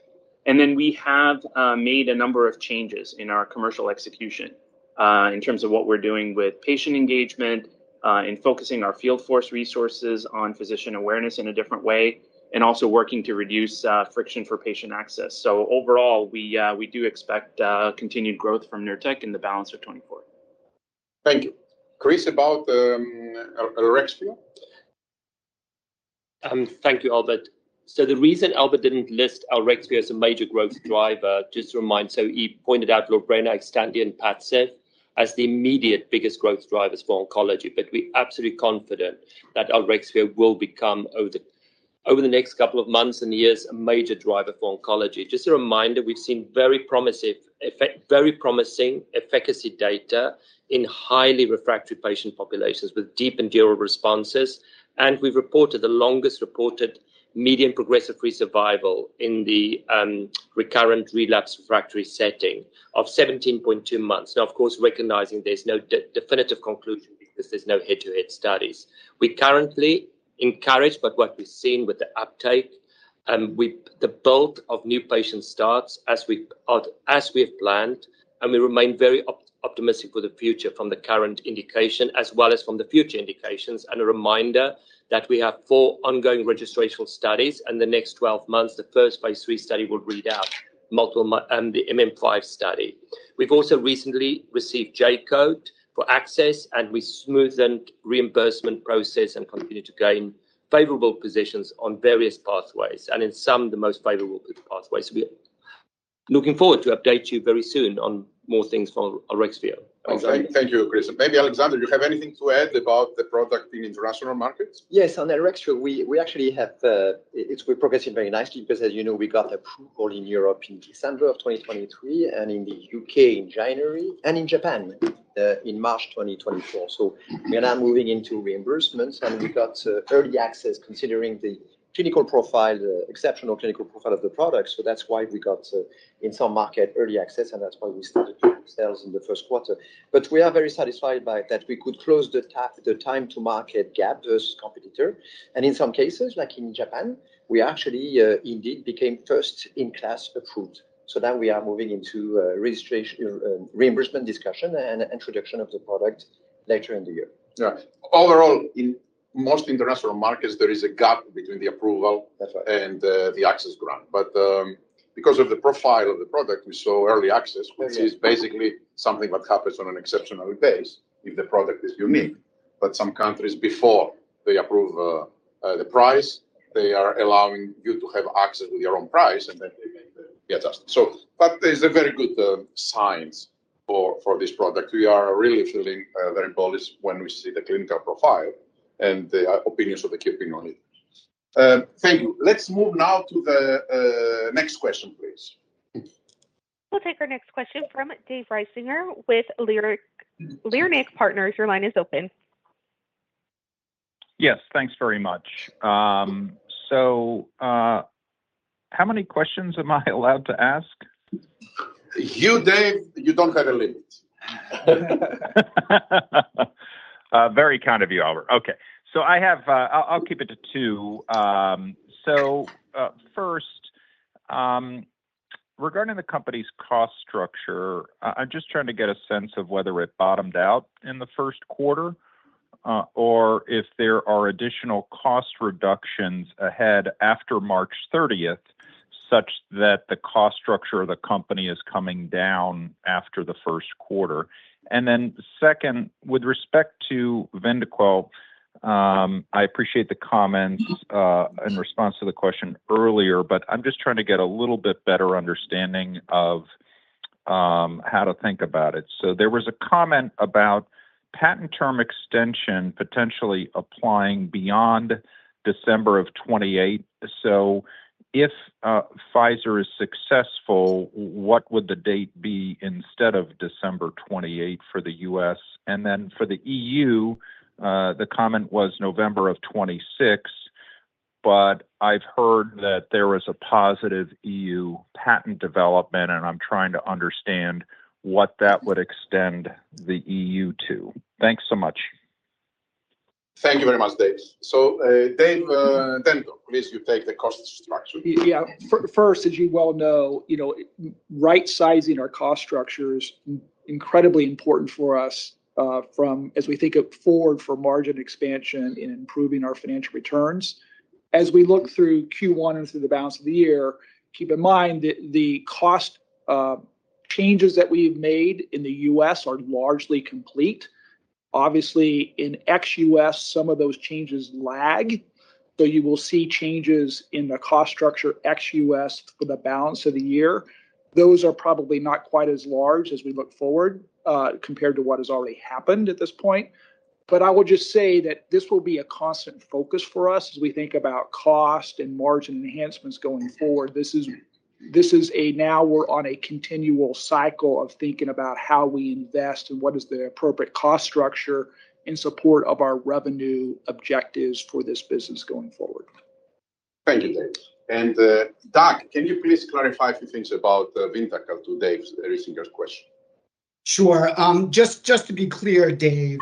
And then we have made a number of changes in our commercial execution in terms of what we're doing with patient engagement and focusing our field force resources on physician awareness in a different way and also working to reduce friction for patient access. So overall, we do expect continued growth from Nurtec in the balance of 2024. Thank you. Chris, about Elrexfio. Thank you, Albert. So the reason Albert didn't list Elrexfio as a major growth driver, just to remind, so he pointed out Lorbrena, Xtandi, and Padcev as the immediate biggest growth drivers for oncology. But we're absolutely confident that Elrexfio will become, over the next couple of months and years, a major driver for oncology. Just a reminder, we've seen very promising efficacy data in highly refractory patient populations with deep durable responses. And we've reported the longest reported median progression-free survival in the relapsed refractory setting of 17.2 months. Now, of course, recognizing there's no definitive conclusion because there's no head-to-head studies. We're currently encouraged, but what we've seen with the uptake, the bulk of new patient starts as we have planned. And we remain very optimistic for the future from the current indication as well as from the future indications. A reminder that we have four ongoing registrational studies. In the next 12 months, the first phase 3 study will read out the MM5 study. We've also recently received J-Code for access, and we smoothed reimbursement process and continue to gain favorable positions on various pathways, and in some, the most favorable pathways. We're looking forward to update you very soon on more things from Elrexfio. Thank you, Chris. Maybe, Alexandre, do you have anything to add about the product in international markets? Yes, on Elrexfio, we actually have it’s progressing very nicely because, as you know, we got approval in Europe in December of 2023 and in the U.K. in January and in Japan in March 2024. So we are now moving into reimbursements, and we got early access considering the exceptional clinical profile of the product. So that’s why we got, in some markets, early access, and that’s why we started sales in the first quarter. But we are very satisfied by that we could close the time-to-market gap versus competitor. And in some cases, like in Japan, we actually indeed became first-in-class approved. So now we are moving into reimbursement discussion and introduction of the product later in the year. All in all, in most international markets, there is a gap between the approval and the access grant. Because of the profile of the product, we saw early access, which is basically something that happens on an exceptional basis if the product is unique. Some countries, before they approve the price, they are allowing you to have access with your own price, and then they make the adjustment. There's a very good signs for this product. We are really feeling very bullish when we see the clinical profile and the opinions of the key opinion leaders. Thank you. Let's move now to the next question, please. We'll take our next question from David Risinger with Leerink Partners. Your line is open. Yes, thanks very much. So how many questions am I allowed to ask? You, Dave, you don't have a limit. Very kind of you, Albert. Okay. So I'll keep it to two. So first, regarding the company's cost structure, I'm just trying to get a sense of whether it bottomed out in the first quarter or if there are additional cost reductions ahead after March 30th such that the cost structure of the company is coming down after the first quarter. And then second, with respect to Vyndaqel, I appreciate the comments in response to the question earlier, but I'm just trying to get a little bit better understanding of how to think about it. So there was a comment about patent term extension potentially applying beyond December of 2028. So if Pfizer is successful, what would the date be instead of December 28th for the U.S.? And then for the E.U., the comment was November of 2026. But I've heard that there was a positive EU patent development, and I'm trying to understand what that would extend the EU to? Thanks so much. Thank you very much, Dave. Dave Denton, please, you take the cost structure. Yeah. First, as you well know, right-sizing our cost structure is incredibly important for us as we think forward for margin expansion and improving our financial returns. As we look through Q1 and through the balance of the year, keep in mind that the cost changes that we've made in the U.S. are largely complete. Obviously, in ex-U.S., some of those changes lag. So you will see changes in the cost structure ex-U.S. for the balance of the year. Those are probably not quite as large as we look forward compared to what has already happened at this point. But I would just say that this will be a constant focus for us as we think about cost and margin enhancements going forward. This is a now we're on a continual cycle of thinking about how we invest and what is the appropriate cost structure in support of our revenue objectives for this business going forward. Thank you, Dave. And Doug, can you please clarify a few things about Vyndaqel to David Risinger's question? Sure. Just to be clear, Dave,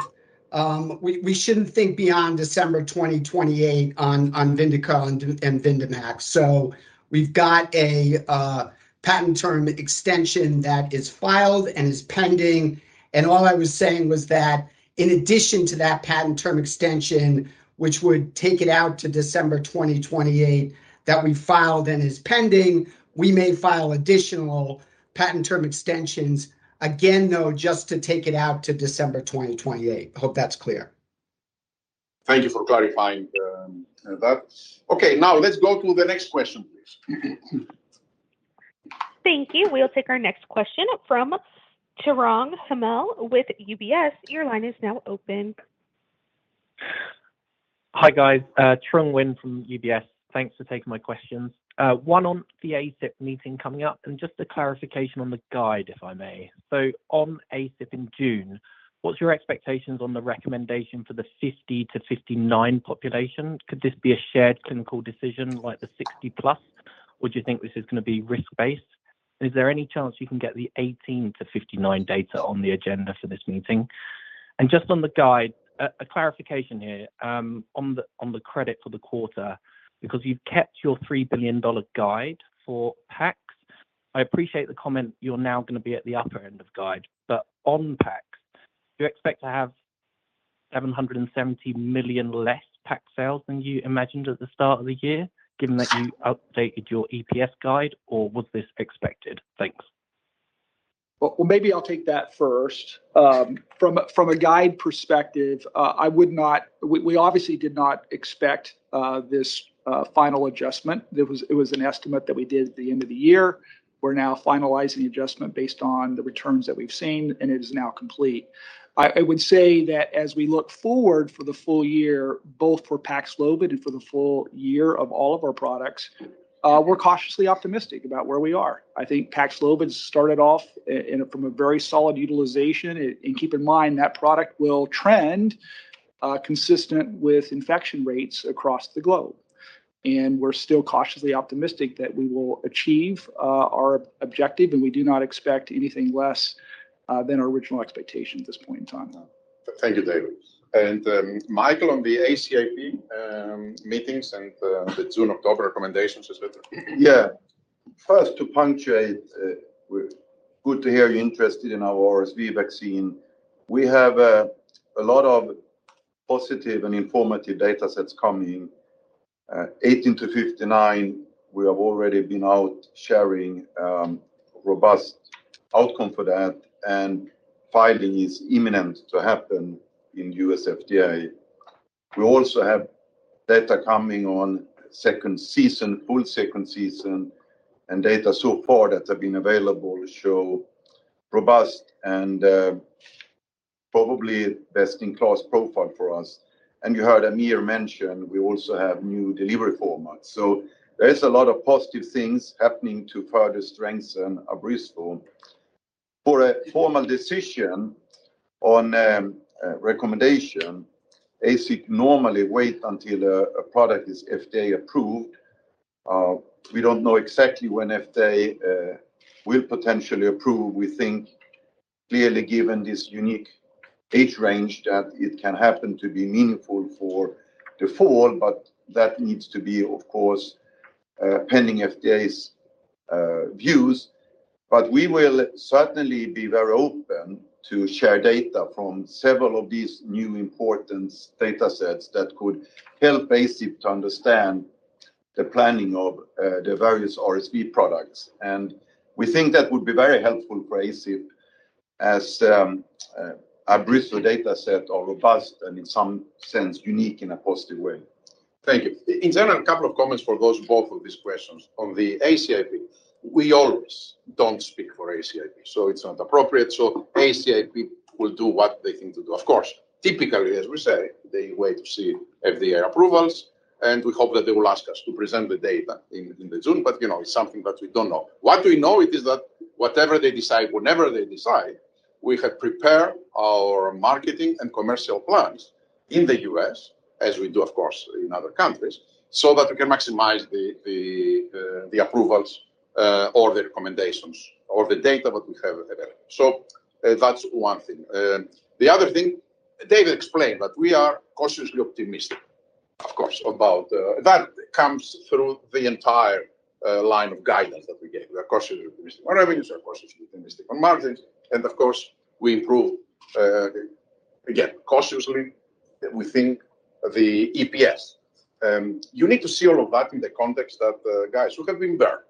we shouldn't think beyond December 2028 on Vyndaqel and Vyndamax. So we've got a patent term extension that is filed and is pending. And all I was saying was that in addition to that patent term extension, which would take it out to December 2028, that we filed and is pending, we may file additional patent term extensions, again, though, just to take it out to December 2028. I hope that's clear. Thank you for clarifying that. Okay. Now, let's go to the next question, please. Thank you. We'll take our next question from Trung Huynh with UBS. Your line is now open. Hi, guys. Trung Huynh from UBS. Thanks for taking my questions. One on the ACIP meeting coming up. And just a clarification on the guide, if I may. So on ACIP in June, what's your expectations on the recommendation for the 50-59 population? Could this be a shared clinical decision like the 60+, or do you think this is going to be risk-based? And is there any chance you can get the 18-59 data on the agenda for this meeting? And just on the guide, a clarification here on the credit for the quarter because you've kept your $3 billion guide for Paxlovid. I appreciate the comment you're now going to be at the upper end of guide. But on Paxlovid, do you expect to have $770 million less Paxlovid sales than you imagined at the start of the year given that you updated your EPS guide, or was this expected? Thanks. Well, maybe I'll take that first. From a guide perspective, we obviously did not expect this final adjustment. It was an estimate that we did at the end of the year. We're now finalizing the adjustment based on the returns that we've seen, and it is now complete. I would say that as we look forward for the full year, both for Paxlovid and for the full year of all of our products, we're cautiously optimistic about where we are. I think Paxlovid started off from a very solid utilization. And keep in mind, that product will trend consistent with infection rates across the globe. And we're still cautiously optimistic that we will achieve our objective, and we do not expect anything less than our original expectation at this point in time. Thank you, Dave. And Mikael on the ACIP meetings and the June/October recommendations, etc.? Yeah. First, to punctuate, good to hear you're interested in our RSV vaccine. We have a lot of positive and informative datasets coming. 18-59, we have already been out sharing robust outcome for that. And filing is imminent to happen in U.S. FDA. We also have data coming on second season, full second season, and data so far that have been available show robust and probably best-in-class profile for us. And you heard Amir mention we also have new delivery formats. So there is a lot of positive things happening to further strengthen Abrysvo. For a formal decision on recommendation, ACIP normally waits until a product is FDA approved. We don't know exactly when FDA will potentially approve, we think, clearly given this unique age range that it can happen to be meaningful for the fall. But that needs to be, of course, pending FDA's views. We will certainly be very open to share data from several of these new important datasets that could help ACIP to understand the planning of the various RSV products. We think that would be very helpful for ACIP as Abrysvo datasets are robust and in some sense unique in a positive way. Thank you. In general, a couple of comments for both of these questions. On the ACIP, we always don't speak for ACIP, so it's not appropriate. So ACIP will do what they think to do. Of course, typically, as we say, they wait to see FDA approvals. And we hope that they will ask us to present the data in June. But it's something that we don't know. What we know is that whatever they decide, whenever they decide, we have prepared our marketing and commercial plans in the U.S., as we do, of course, in other countries, so that we can maximize the approvals or the recommendations or the data that we have available. So that's one thing. The other thing, David explained that we are cautiously optimistic, of course, about that comes through the entire line of guidance that we gave. We are cautiously optimistic on revenues. We are cautiously optimistic on margins. Of course, we improve, again, cautiously, we think, the EPS. You need to see all of that in the context that guys who have been burned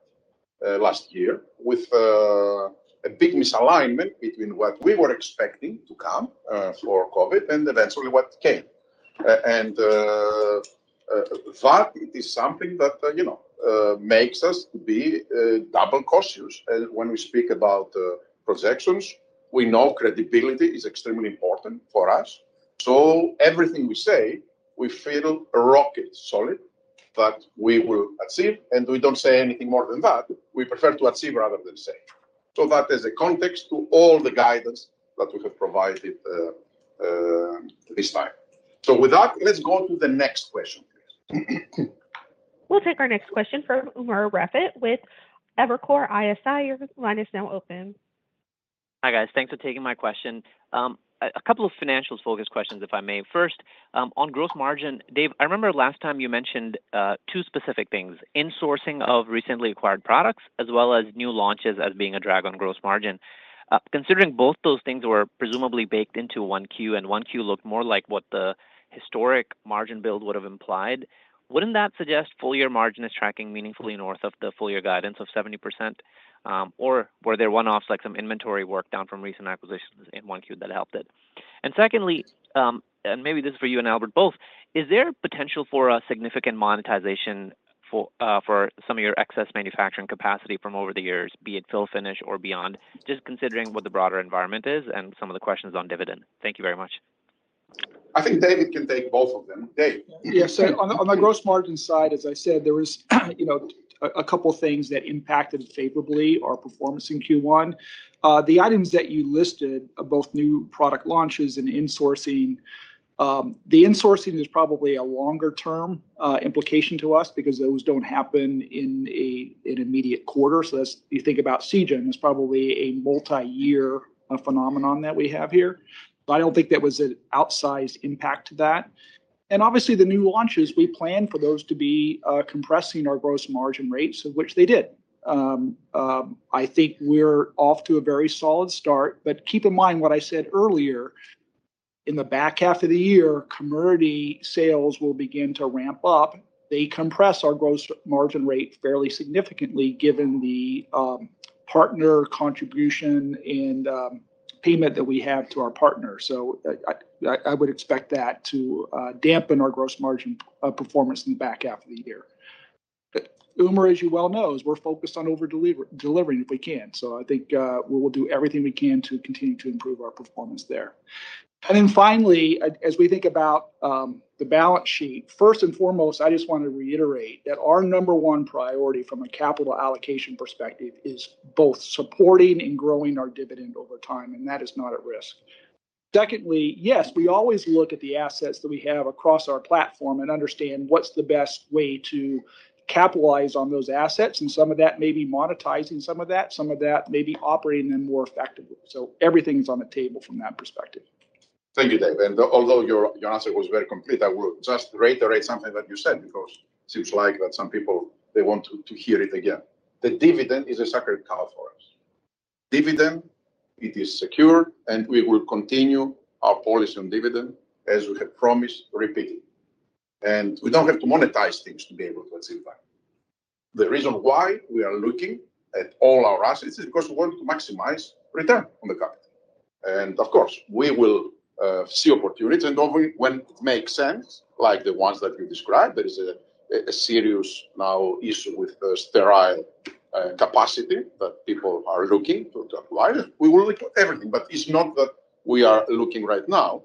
last year with a big misalignment between what we were expecting to come for COVID and eventually what came. That is something that makes us be double cautious. When we speak about projections, we know credibility is extremely important for us. Everything we say, we feel rock solid that we will achieve. We don't say anything more than that. We prefer to achieve rather than say. That is a context to all the guidance that we have provided this time. With that, let's go to the next question, please. We'll take our next question from Umer Raffat with Evercore ISI. Your line is now open. Hi, guys. Thanks for taking my question. A couple of financials-focused questions, if I may. First, on gross margin, Dave, I remember last time you mentioned two specific things, insourcing of recently acquired products as well as new launches as being a drag on gross margin. Considering both those things were presumably baked into 1Q, and 1Q looked more like what the historic margin build would have implied, wouldn't that suggest full-year margin is tracking meaningfully north of the full-year guidance of 70%? Or were there one-offs like some inventory workdown from recent acquisitions in 1Q that helped it? And secondly, and maybe this is for you and Albert both, is there potential for a significant monetization for some of your excess manufacturing capacity from over the years, be it fill-finish or beyond, just considering what the broader environment is and some of the questions on dividend? Thank you very much. I think David can take both of them. Dave? Yes. So on the gross margin side, as I said, there was a couple of things that impacted favorably our performance in Q1. The items that you listed, both new product launches and insourcing, the insourcing is probably a longer-term implication to us because those don't happen in an immediate quarter. So you think about Seagen, it's probably a multi-year phenomenon that we have here. But I don't think that was an outsized impact to that. And obviously, the new launches, we plan for those to be compressing our gross margin rates, which they did. I think we're off to a very solid start. But keep in mind what I said earlier. In the back half of the year, commodity sales will begin to ramp up. They compress our gross margin rate fairly significantly given the partner contribution and payment that we have to our partner. I would expect that to dampen our gross margin performance in the back half of the year. Umer, as you well know, we're focused on over-delivering if we can. I think we will do everything we can to continue to improve our performance there. Then finally, as we think about the balance sheet, first and foremost, I just want to reiterate that our number one priority from a capital allocation perspective is both supporting and growing our dividend over time, and that is not at risk. Secondly, yes, we always look at the assets that we have across our platform and understand what's the best way to capitalize on those assets. Some of that may be monetizing some of that. Some of that may be operating them more effectively. Everything is on the table from that perspective. Thank you, Dave. Although your answer was very complete, I will just reiterate something that you said because it seems like that some people, they want to hear it again. The dividend is a sacred cow for us. Dividend, it is secure, and we will continue our policy on dividend as we have promised, repeated. We don't have to monetize things to be able to achieve that. The reason why we are looking at all our assets is because we want to maximize return on the capital. Of course, we will see opportunities. When it makes sense, like the ones that you described, there is a serious now issue with sterile capacity that people are looking to acquire. We will look at everything. It's not that we are looking right now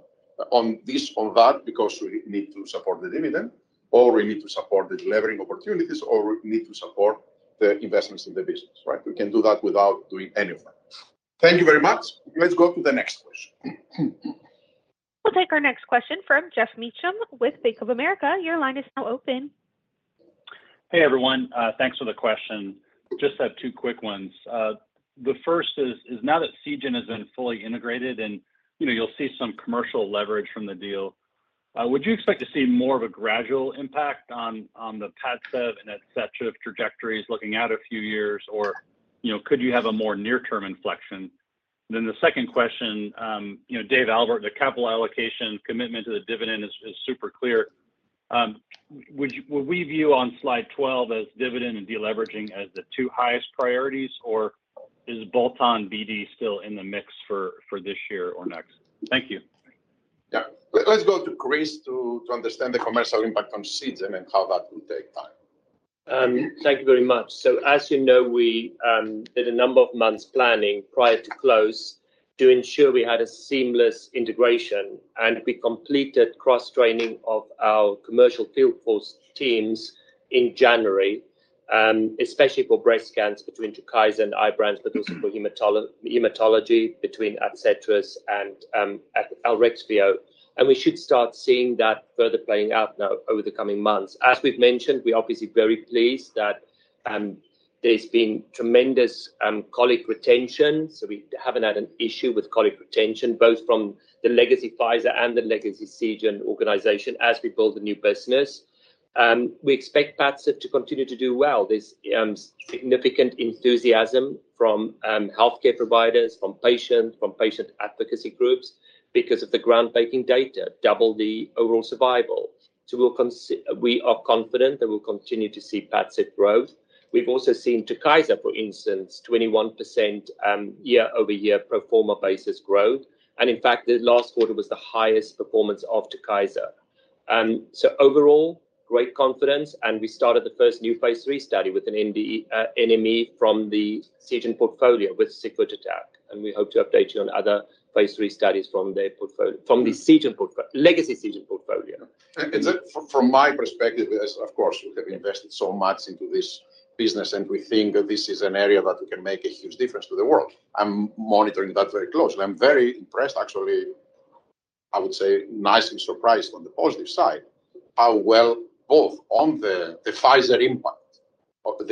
on this or that because we need to support the dividend or we need to support the delivering opportunities or we need to support the investments in the business, right? We can do that without doing any of that. Thank you very much. Let's go to the next question. We'll take our next question from Geoff Meacham with Bank of America. Your line is now open. Hey, everyone. Thanks for the question. Just have two quick ones. The first is now that Seagen has been fully integrated, and you'll see some commercial leverage from the deal, would you expect to see more of a gradual impact on the Padcev and etc. trajectories looking out a few years, or could you have a more near-term inflection? Then the second question, Dave Denton, the capital allocation commitment to the dividend is super clear. Would we view on slide 12 as dividend and deleveraging as the two highest priorities, or is bolt-on BD still in the mix for this year or next? Thank you. Yeah. Let's go to Chris to understand the commercial impact on Seagen and how that will take time. Thank you very much. So as you know, we did a number of months' planning prior to close to ensure we had a seamless integration. We completed cross-training of our commercial field force teams in January, especially for breast cancer between Tukysa and Ibrance, but also for hematology between Adcetris and Elrexfio. We should start seeing that further playing out now over the coming months. As we've mentioned, we're obviously very pleased that there's been tremendous colleague retention. So we haven't had an issue with colleague retention, both from the legacy Pfizer and the legacy Seagen organization as we build the new business. We expect Padcev to continue to do well. There's significant enthusiasm from healthcare providers, from patients, from patient advocacy groups because of the groundbreaking data, double the overall survival. So we are confident that we'll continue to see Padcev growth. We've also seen Tukysa, for instance, 21% year-over-year pro forma basis growth. And in fact, the last quarter was the highest performance of Tukysa. So overall, great confidence. And we started the first new phase 3 study with an NME from the Seagen portfolio with sigvotatug vedotin. And we hope to update you on other phase 3 studies from the Seagen legacy Seagen portfolio. From my perspective, of course, we have invested so much into this business, and we think this is an area that we can make a huge difference to the world. I'm monitoring that very closely. I'm very impressed, actually. I would say nicely surprised on the positive side how well both on the Pfizer impact,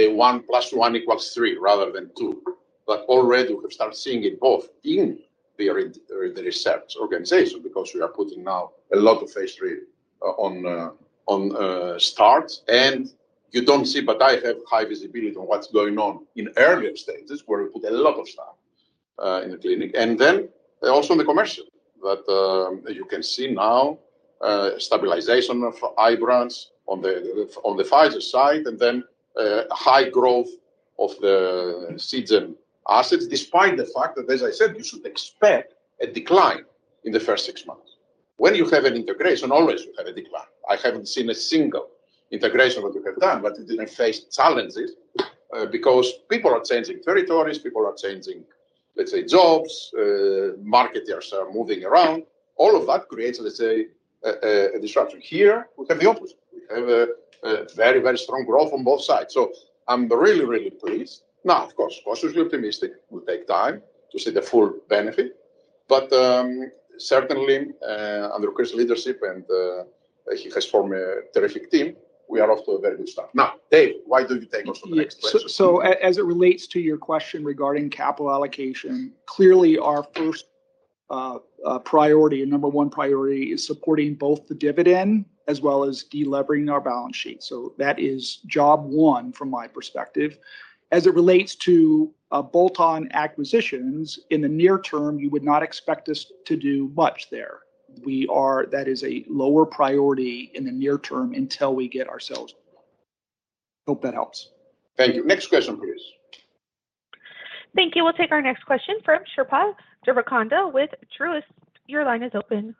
the 1 + 1 = 3 rather than 2, but already we have started seeing it both in the research organization because we are putting now a lot of phase 3 starts. You don't see, but I have high visibility on what's going on in earlier stages where we put a lot of stuff in the clinic. And then also in the commercial that you can see now, stabilization of Ibrance on the Pfizer side and then high growth of the Seagen assets, despite the fact that, as I said, you should expect a decline in the first six months. When you have an integration, always you have a decline. I haven't seen a single integration that you have done, but it didn't face challenges because people are changing territories. People are changing, let's say, jobs. Marketers are moving around. All of that creates, let's say, a disruption. Here, we have the opposite. We have very, very strong growth on both sides. So I'm really, really pleased. Now, of course, cautiously optimistic. We'll take time to see the full benefit. But certainly, under Chris' leadership, and he has formed a terrific team, we are off to a very good start. Now, Dave, why do you take us to the next question? So as it relates to your question regarding capital allocation, clearly our first priority, number one priority, is supporting both the dividend as well as deleveraging our balance sheet. So that is job one from my perspective. As it relates to bolt-on acquisitions, in the near term, you would not expect us to do much there. That is a lower priority in the near term until we get ourselves going. Hope that helps. Thank you. Next question, please. Thank you. We'll take our next question from Srikripa Devarakonda with Truist. Your line is open.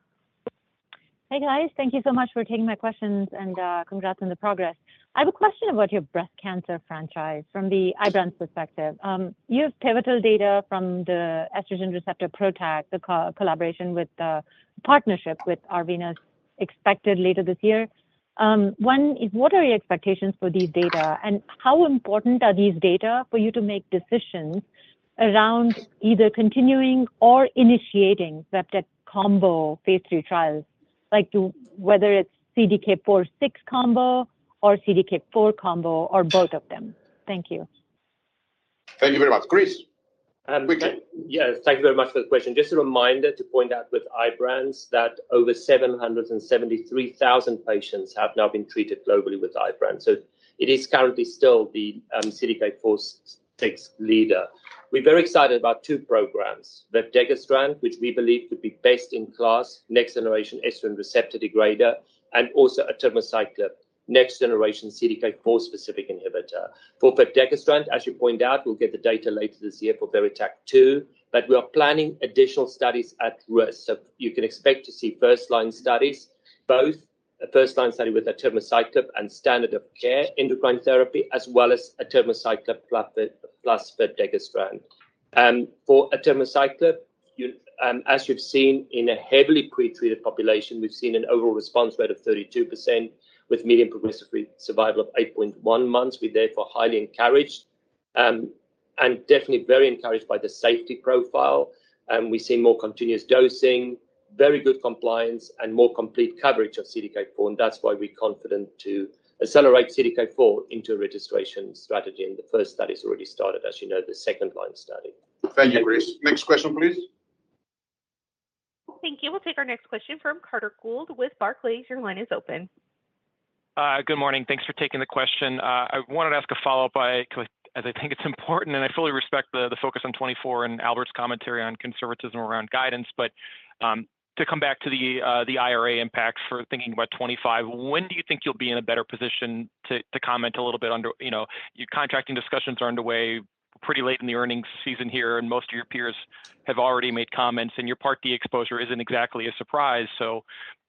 Hey, guys. Thank you so much for taking my questions and congrats on the progress. I have a question about your breast cancer franchise from the Ibrance perspective. You have pivotal data from the estrogen receptor PROTAC, the collaboration with the partnership with Arvinas expected later this year. One is, what are your expectations for these data? And how important are these data for you to make decisions around either continuing or initiating vepdegestrant combo phase 3 trials, whether it's CDK4/6 combo or CDK4 combo or both of them? Thank you. Thank you very much. Chris? Yeah. Thank you very much for the question. Just a reminder to point out with Ibrance that over 773,000 patients have now been treated globally with Ibrance. So it is currently still the CDK4/6 leader. We're very excited about two programs, vepdegestrant, which we believe could be best in class, next-generation estrogen receptor degrader, and also atirmociclib, next-generation CDK4-specific inhibitor. For vepdegestrant, as you point out, we'll get the data later this year for VERITAC-2. But we are planning additional studies at risk. So you can expect to see first-line studies, both a first-line study with atirmociclib and standard-of-care endocrine therapy, as well as atirmociclib plus vepdegestrant. For atirmociclib, as you've seen in a heavily pretreated population, we've seen an overall response rate of 32% with median progression-free survival of 8.1 months. We're therefore highly encouraged and definitely very encouraged by the safety profile. We see more continuous dosing, very good compliance, and more complete coverage of CDK4. That's why we're confident to accelerate CDK4 into a registration strategy. The first study is already started, as you know, the second-line study. Thank you, Chris. Next question, please. Thank you. We'll take our next question from Carter Gould with Barclays. Your line is open. Good morning. Thanks for taking the question. I wanted to ask a follow-up, as I think it's important, and I fully respect the focus on 2024 and Albert's commentary on conservatism around guidance. But to come back to the IRA impact for thinking about 2025, when do you think you'll be in a better position to comment a little bit under your contracting discussions are underway pretty late in the earnings season here, and most of your peers have already made comments. And your Part D exposure isn't exactly a surprise. So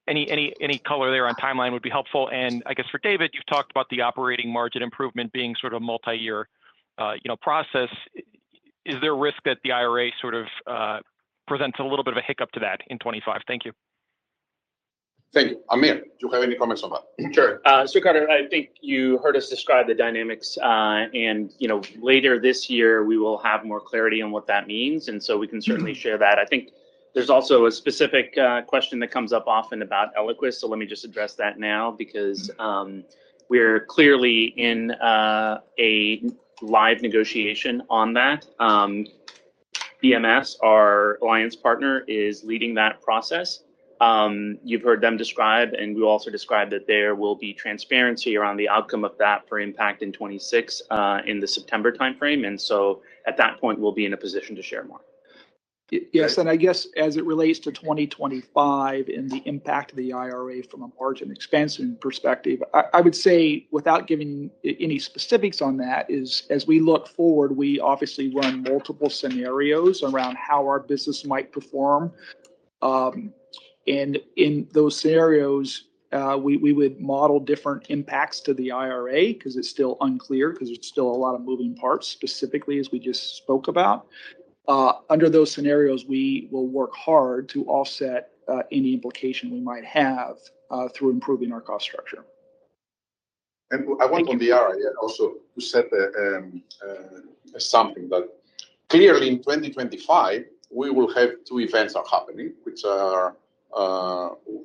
any color there on timeline would be helpful. And I guess for David, you've talked about the operating margin improvement being sort of a multi-year process. Is there a risk that the IRA sort of presents a little bit of a hiccup to that in 2025? Thank you. Thank you. Amir, do you have any comments on that? Sure. So, Carter, I think you heard us describe the dynamics. Later this year, we will have more clarity on what that means. So we can certainly share that. I think there's also a specific question that comes up often about Eliquis. So let me just address that now because we're clearly in a live negotiation on that. BMS, our alliance partner, is leading that process. You've heard them describe, and we'll also describe that there will be transparency around the outcome of that for impact in 2026 in the September timeframe. So at that point, we'll be in a position to share more. Yes. And I guess as it relates to 2025 and the impact of the IRA from a margin expansion perspective, I would say without giving any specifics on that, as we look forward, we obviously run multiple scenarios around how our business might perform. And in those scenarios, we will work hard to offset any implication we might have through improving our cost structure. I want from the IRA also to say something that clearly in 2025, we will have two events that are happening, which are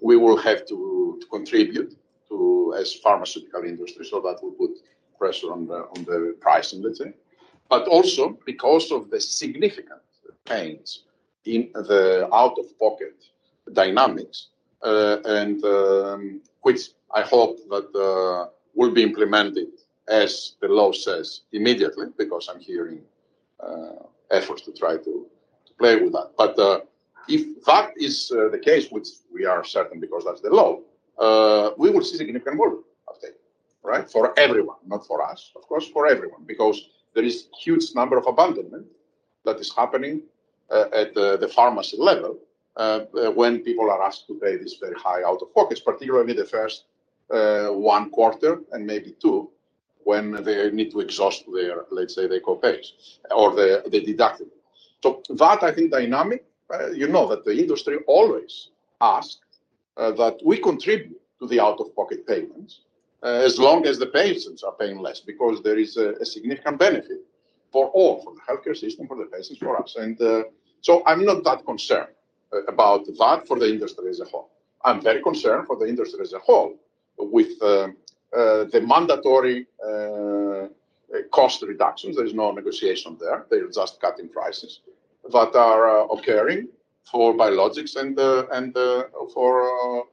we will have to contribute to as pharmaceutical industry. So that will put pressure on the pricing, let's say. Also because of the significant pains in the out-of-pocket dynamics, which I hope that will be implemented as the law says immediately because I'm hearing efforts to try to play with that. But if that is the case, which we are certain because that's the law, we will see significant volume uptake, right, for everyone, not for us, of course, for everyone because there is a huge number of abandonment that is happening at the pharmacy level when people are asked to pay this very high out-of-pocket, particularly in the first 1 quarter and maybe 2 when they need to exhaust their, let's say, their copays or the deductible. So that, I think, dynamic, you know that the industry always asks that we contribute to the out-of-pocket payments as long as the patients are paying less because there is a significant benefit for all, for the healthcare system, for the patients, for us. And so I'm not that concerned about that for the industry as a whole. I'm very concerned for the industry as a whole with the mandatory cost reductions. There is no negotiation there. They're just cutting prices that are occurring for biologics and for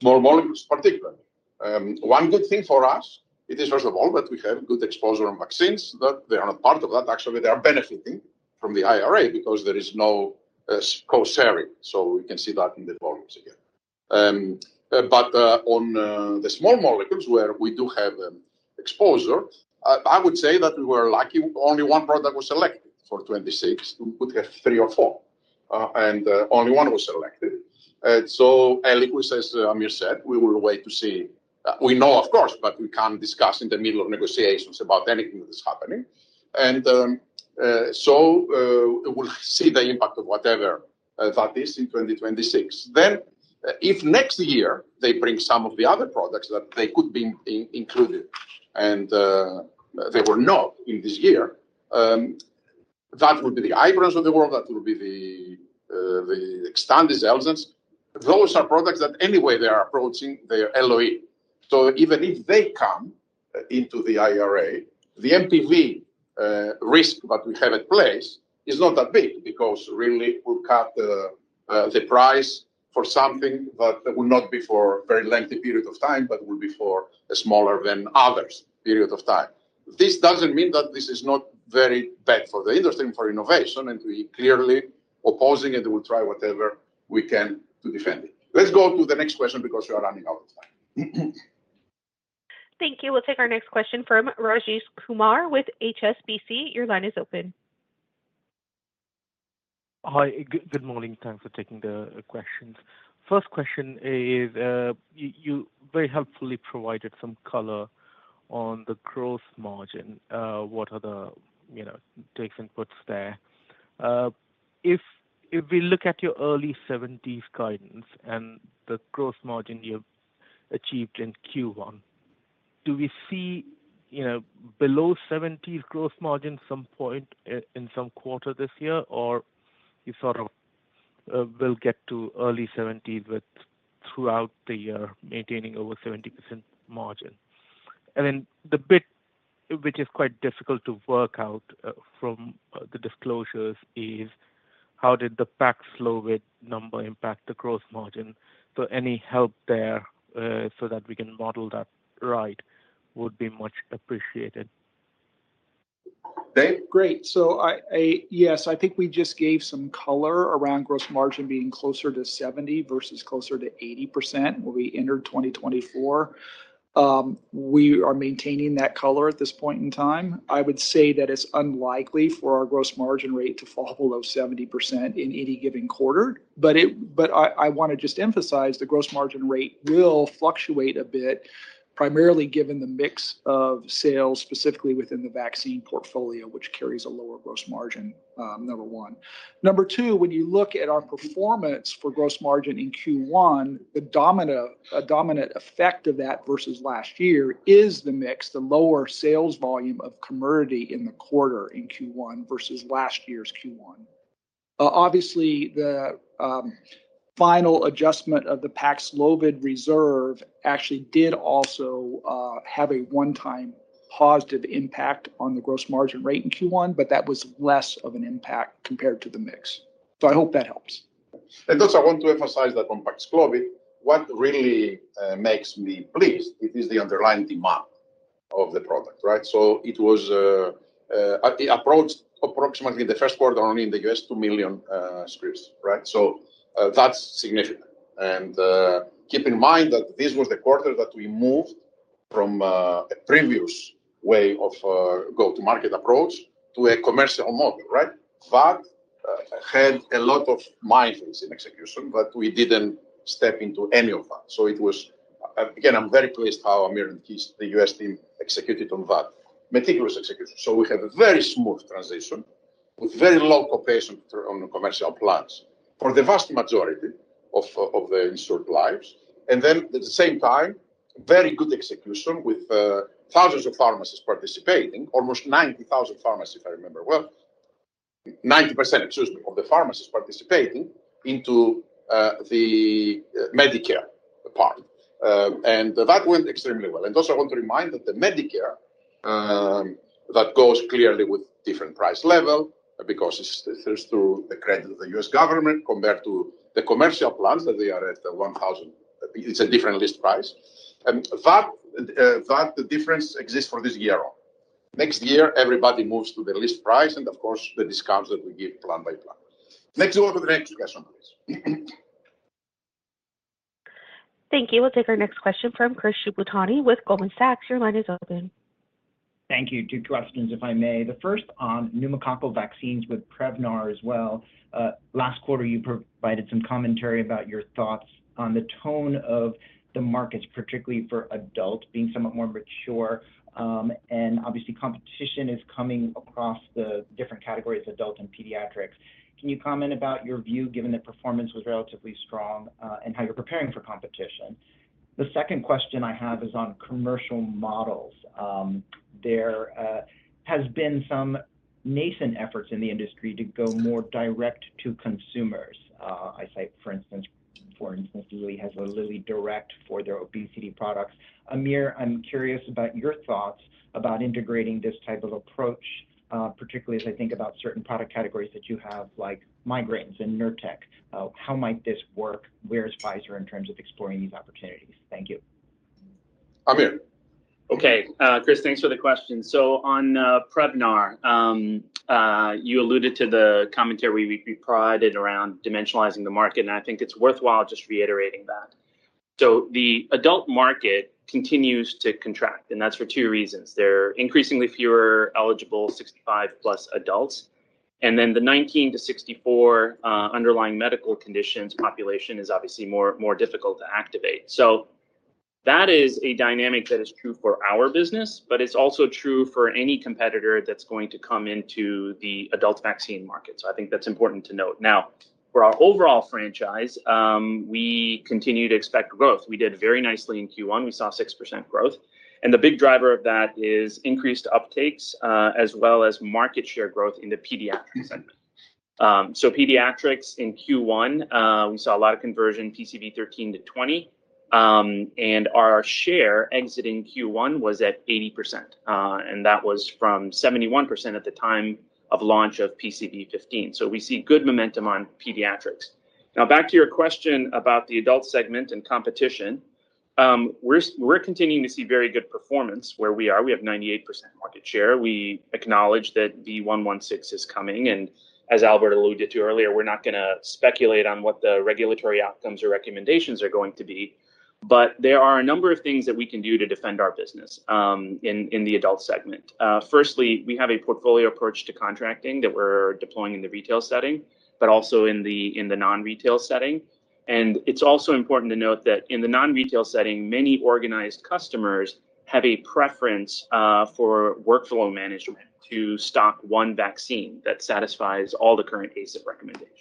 small molecules, particularly. One good thing for us, it is first of all that we have good exposure on vaccines that they are not part of that. Actually, they are benefiting from the IRA because there is no cost-sharing. So we can see that in the volumes again. But on the small molecules where we do have exposure, I would say that we were lucky. Only one product was selected for 2026. We could have three or four. And only one was selected. So Eliquis, as Amir said, we will wait to see. We know, of course, but we can't discuss in the middle of negotiations about anything that is happening. And so we'll see the impact of whatever that is in 2026. Then if next year they bring some of the other products that they could be included and they were not in this year, that will be the Ibrance of the world. That will be the Xtandi, Xeljanz. Those are products that anyway, they are approaching their LOE. So even if they come into the IRA, the NPV risk that we have at place is not that big because really we'll cut the price for something that will not be for a very lengthy period of time, but will be for a smaller than others period of time. This doesn't mean that this is not very bad for the industry and for innovation. And we're clearly opposing it. We'll try whatever we can to defend it. Let's go to the next question because we are running out of time. Thank you. We'll take our next question from Rajesh Kumar with HSBC. Your line is open. Hi. Good morning. Thanks for taking the questions. First question is, you very helpfully provided some color on the gross margin. What are the takes and puts there? If we look at your early 70s guidance and the gross margin you achieved in Q1, do we see below 70s gross margin some point in some quarter this year, or you sort of will get to early 70s throughout the year maintaining over 70% margin? And then the bit, which is quite difficult to work out from the disclosures, is how did the Paxlovid number impact the gross margin? So any help there so that we can model that right would be much appreciated. Dave, great. So yes, I think we just gave some color around gross margin being closer to 70% versus closer to 80% when we entered 2024. We are maintaining that color at this point in time. I would say that it's unlikely for our gross margin rate to fall below 70% in any given quarter. But I want to just emphasize the gross margin rate will fluctuate a bit, primarily given the mix of sales specifically within the vaccine portfolio, which carries a lower gross margin, number one. Number two, when you look at our performance for gross margin in Q1, the dominant effect of that versus last year is the mix, the lower sales volume of commodity in the quarter in Q1 versus last year's Q1. Obviously, the final adjustment of the Paxlovid reserve actually did also have a one-time positive impact on the gross margin rate in Q1, but that was less of an impact compared to the mix. So I hope that helps. And also I want to emphasize that on Paxlovid, what really makes me pleased, it is the underlying demand of the product, right? So it approached approximately in the first quarter only in the US, 2 million scripts, right? So that's significant. And keep in mind that this was the quarter that we moved from a previous way of go-to-market approach to a commercial model, right? That had a lot of mindfulness in execution, but we didn't step into any of that. So it was again, I'm very pleased how Amir and Keith, the US team, executed on that meticulous execution. So we have a very smooth transition with very low copays on commercial plans for the vast majority of the insured lives. And then at the same time, very good execution with thousands of pharmacies participating, almost 90,000 pharmacies, if I remember well, 90%, excuse me, of the pharmacies participating into the Medicare part. And that went extremely well. And also I want to remind that the Medicare that goes clearly with different price level because it's through the credit of the U.S. government compared to the commercial plans that they are at $1,000; it's a different list price. That difference exists for this year on. Next year, everybody moves to the list price and, of course, the discounts that we give plan by plan. Let's go to the next question, please. Thank you. We'll take our next question from Chris Shibutani with Goldman Sachs. Your line is open. Thank you. Two questions, if I may. The first on pneumococcal vaccines with Prevnar as well. Last quarter, you provided some commentary about your thoughts on the tone of the markets, particularly for adults being somewhat more mature. And obviously, competition is coming across the different categories, adult and pediatrics. Can you comment about your view given that performance was relatively strong and how you're preparing for competition? The second question I have is on commercial models. There has been some nascent efforts in the industry to go more direct to consumers. I cite, for instance, Lilly has a LillyDirect for their obesity products. Amir, I'm curious about your thoughts about integrating this type of approach, particularly as I think about certain product categories that you have like migraines and Nurtec. How might this work? Where's Pfizer in terms of exploring these opportunities? Thank you. Amir. Okay, Chris, thanks for the question. So on Prevnar, you alluded to the commentary we provided around dimensionalizing the market. And I think it's worthwhile just reiterating that. So the adult market continues to contract. And that's for two reasons. There are increasingly fewer eligible 65+ adults. And then the 19-64 underlying medical conditions population is obviously more difficult to activate. So that is a dynamic that is true for our business, but it's also true for any competitor that's going to come into the adult vaccine market. So I think that's important to note. Now, for our overall franchise, we continue to expect growth. We did very nicely in Q1. We saw 6% growth. And the big driver of that is increased uptakes as well as market share growth in the pediatric segment. So pediatrics in Q1, we saw a lot of conversion, PCV13 to 20. Our share exiting Q1 was at 80%. That was from 71% at the time of launch of PCV15. We see good momentum on pediatrics. Now, back to your question about the adult segment and competition, we're continuing to see very good performance where we are. We have 98% market share. We acknowledge that V116 is coming. As Albert alluded to earlier, we're not going to speculate on what the regulatory outcomes or recommendations are going to be. There are a number of things that we can do to defend our business in the adult segment. Firstly, we have a portfolio approach to contracting that we're deploying in the retail setting, but also in the non-retail setting. And it's also important to note that in the non-retail setting, many organized customers have a preference for workflow management to stock one vaccine that satisfies all the current ACIP recommendations.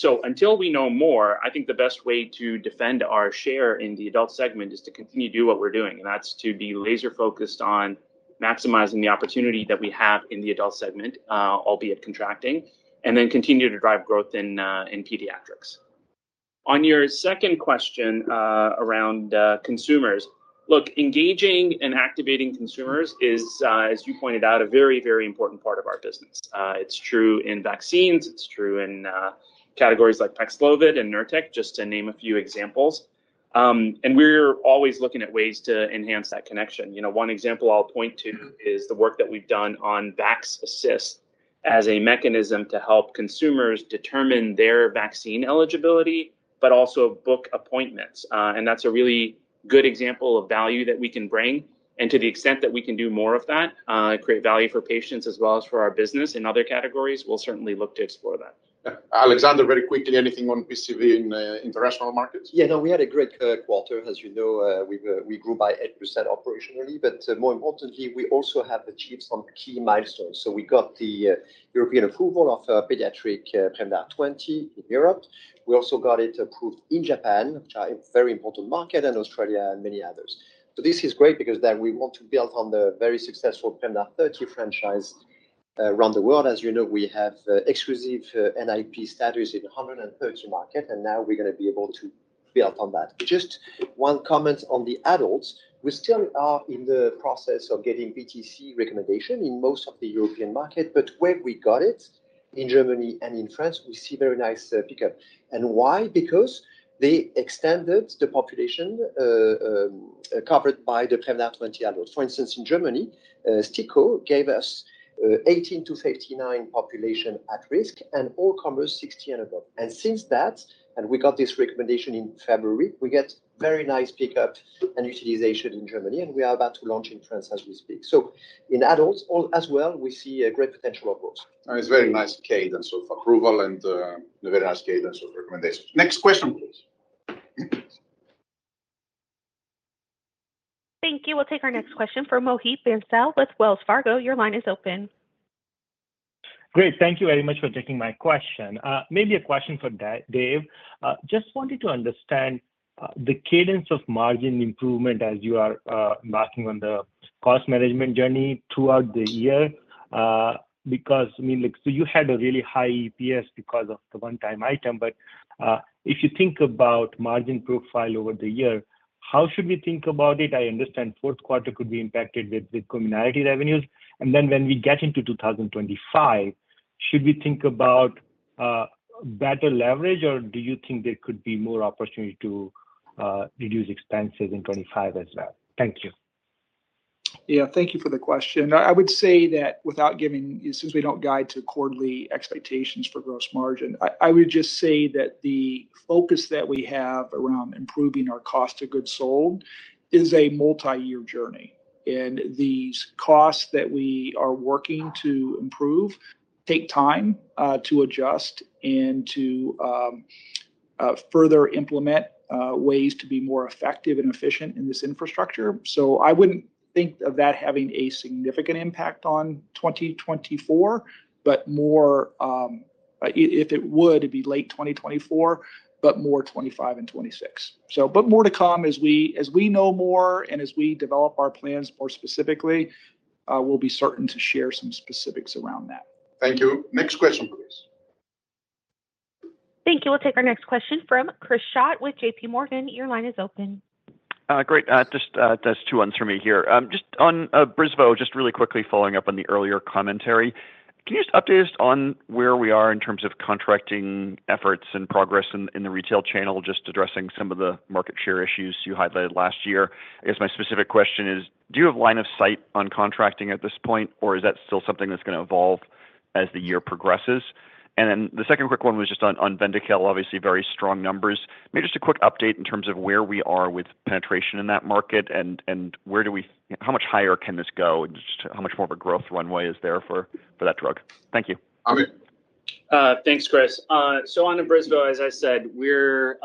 So until we know more, I think the best way to defend our share in the adult segment is to continue to do what we're doing. And that's to be laser-focused on maximizing the opportunity that we have in the adult segment, albeit contracting, and then continue to drive growth in pediatrics. On your second question around consumers, look, engaging and activating consumers is, as you pointed out, a very, very important part of our business. It's true in vaccines. It's true in categories like Paxlovid and Nurtec, just to name a few examples. And we're always looking at ways to enhance that connection. One example I'll point to is the work that we've done on VaxAssist as a mechanism to help consumers determine their vaccine eligibility, but also book appointments. And that's a really good example of value that we can bring. And to the extent that we can do more of that, create value for patients as well as for our business in other categories, we'll certainly look to explore that. Alexander, very quickly, anything on PCV in international markets? Yeah, no, we had a great quarter. As you know, we grew by 8% operationally. But more importantly, we also have achieved some key milestones. So we got the European approval of pediatric Prevnar 20 in Europe. We also got it approved in Japan, which is a very important market, and Australia and many others. So this is great because then we want to build on the very successful Prevnar 13 franchise around the world. As you know, we have exclusive NIP status in 130 markets. And now we're going to be able to build on that. Just one comment on the adults. We still are in the process of getting VTC recommendation in most of the European market. But where we got it, in Germany and in France, we see very nice pickup. And why? Because they extended the population covered by the Prevnar 20 adults. For instance, in Germany, STIKO gave us 18-59 population at risk and all comers 60 and above. Since then, we got this recommendation in February, we get very nice pickup and utilization in Germany. We are about to launch in France as we speak. So in adults as well, we see a great potential of growth. It's very nice cadence of approval and a very nice cadence of recommendations. Next question, please. Thank you. We'll take our next question from Mohit Bansal with Wells Fargo. Your line is open. Great. Thank you very much for taking my question. Maybe a question for Dave. Just wanted to understand the cadence of margin improvement as you are embarking on the cost management journey throughout the year because I mean, so you had a really high EPS because of the one-time item. But if you think about margin profile over the year, how should we think about it? I understand fourth quarter could be impacted with Comirnaty revenues. And then when we get into 2025, should we think about better leverage, or do you think there could be more opportunity to reduce expenses in 2025 as well? Thank you. Yeah, thank you for the question. I would say that without giving since we don't guide to quarterly expectations for gross margin, I would just say that the focus that we have around improving our cost of goods sold is a multi-year journey. And these costs that we are working to improve take time to adjust and to further implement ways to be more effective and efficient in this infrastructure. So I wouldn't think of that having a significant impact on 2024, but more if it would, it'd be late 2024, but more 2025 and 2026. But more to come as we know more and as we develop our plans more specifically, we'll be certain to share some specifics around that. Thank you. Next question, please. Thank you. We'll take our next question from Chris Schott with J.P. Morgan. Your line is open. Great. Just two ones for me here. Just on Abrysvo, just really quickly following up on the earlier commentary. Can you just update us on where we are in terms of contracting efforts and progress in the retail channel, just addressing some of the market share issues you highlighted last year? I guess my specific question is, do you have line of sight on contracting at this point, or is that still something that's going to evolve as the year progresses? And then the second quick one was just on Vyndaqel, obviously, very strong numbers. Maybe just a quick update in terms of where we are with penetration in that market and where do we how much higher can this go and just how much more of a growth runway is there for that drug? Thank you. Amir. Thanks, Chris. So on Abrysvo, as I said, we're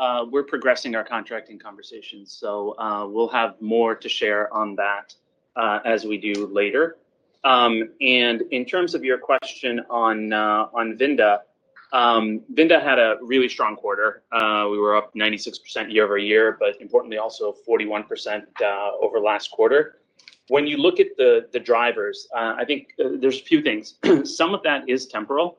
progressing our contracting conversations. So we'll have more to share on that as we do later. And in terms of your question on Vyndaqel, Vyndaqel had a really strong quarter. We were up 96% year over year, but importantly, also 41% over last quarter. When you look at the drivers, I think there's a few things. Some of that is temporal.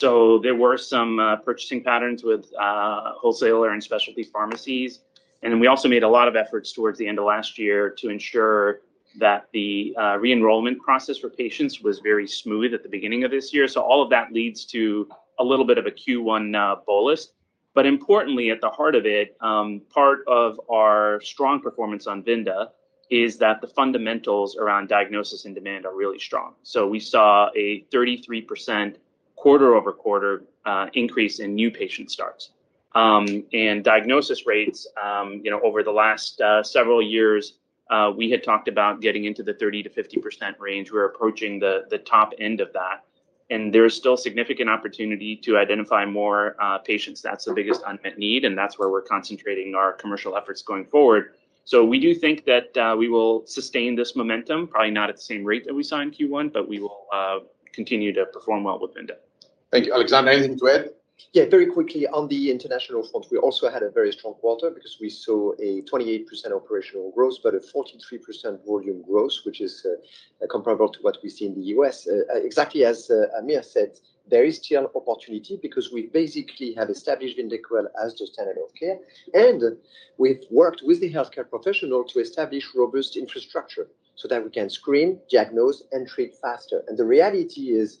So there were some purchasing patterns with wholesaler and specialty pharmacies. And then we also made a lot of efforts towards the end of last year to ensure that the re-enrollment process for patients was very smooth at the beginning of this year. So all of that leads to a little bit of a Q1 bullish. But importantly, at the heart of it, part of our strong performance on Vyndaqel is that the fundamentals around diagnosis and demand are really strong. So we saw a 33% quarter-over-quarter increase in new patient starts. And diagnosis rates, over the last several years, we had talked about getting into the 30%-50% range. We're approaching the top end of that. And there's still significant opportunity to identify more patients. That's the biggest unmet need. And that's where we're concentrating our commercial efforts going forward. So we do think that we will sustain this momentum, probably not at the same rate that we saw in Q1, but we will continue to perform well with Vyndaqel. Thank you. Alexandre, anything to add? Yeah, very quickly, on the international front, we also had a very strong quarter because we saw a 28% operational growth, but a 43% volume growth, which is comparable to what we see in the US. Exactly as Amir said, there is still opportunity because we basically have established Vyndaqel as the standard of care. And we've worked with the healthcare professional to establish robust infrastructure so that we can screen, diagnose, and treat faster. And the reality is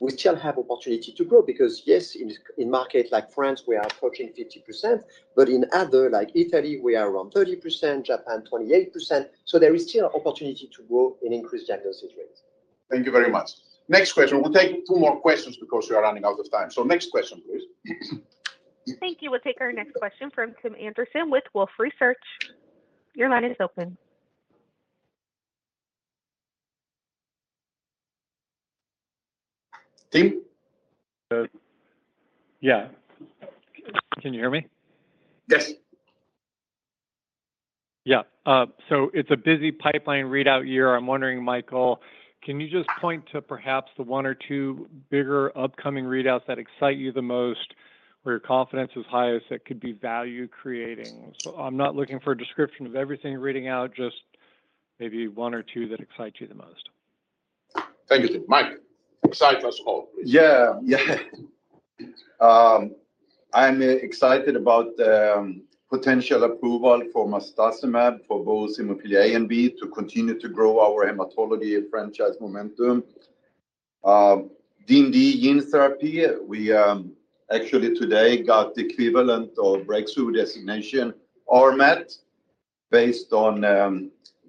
we still have opportunity to grow because, yes, in markets like France, we are approaching 50%. But in others, like Italy, we are around 30%, Japan, 28%. So there is still opportunity to grow and increase diagnosis rates. Thank you very much. Next question. We'll take two more questions because we are running out of time. So next question, please. Thank you. We'll take our next question from Tim Anderson with Wolfe Research. Your line is open. Tim? Yeah. Can you hear me? Yes. Yeah. So it's a busy pipeline readout year. I'm wondering, Mikael, can you just point to perhaps the one or two bigger upcoming readouts that excite you the most, where your confidence is highest, that could be value-creating? So I'm not looking for a description of everything reading out, just maybe one or two that excite you the most. Thank you, Tim. Mike, excite us all, please. Yeah, yeah. I'm excited about the potential approval for marstacimab for both Hemophilia A and B to continue to grow our hematology franchise momentum. Beqvez gene therapy, we actually today got the equivalent of breakthrough designation, RMAT, based on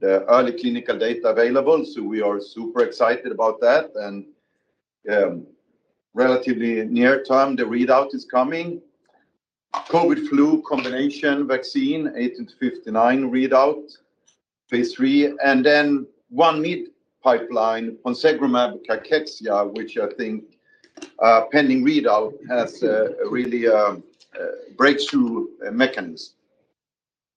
the early clinical data available. So we are super excited about that. And relatively near term, the readout is coming. COVID/flu combination vaccine, 18-59 readout, phase 3. And then one mid-pipeline, ponsegrumab/cachexia, which I think pending readout has really a breakthrough mechanism.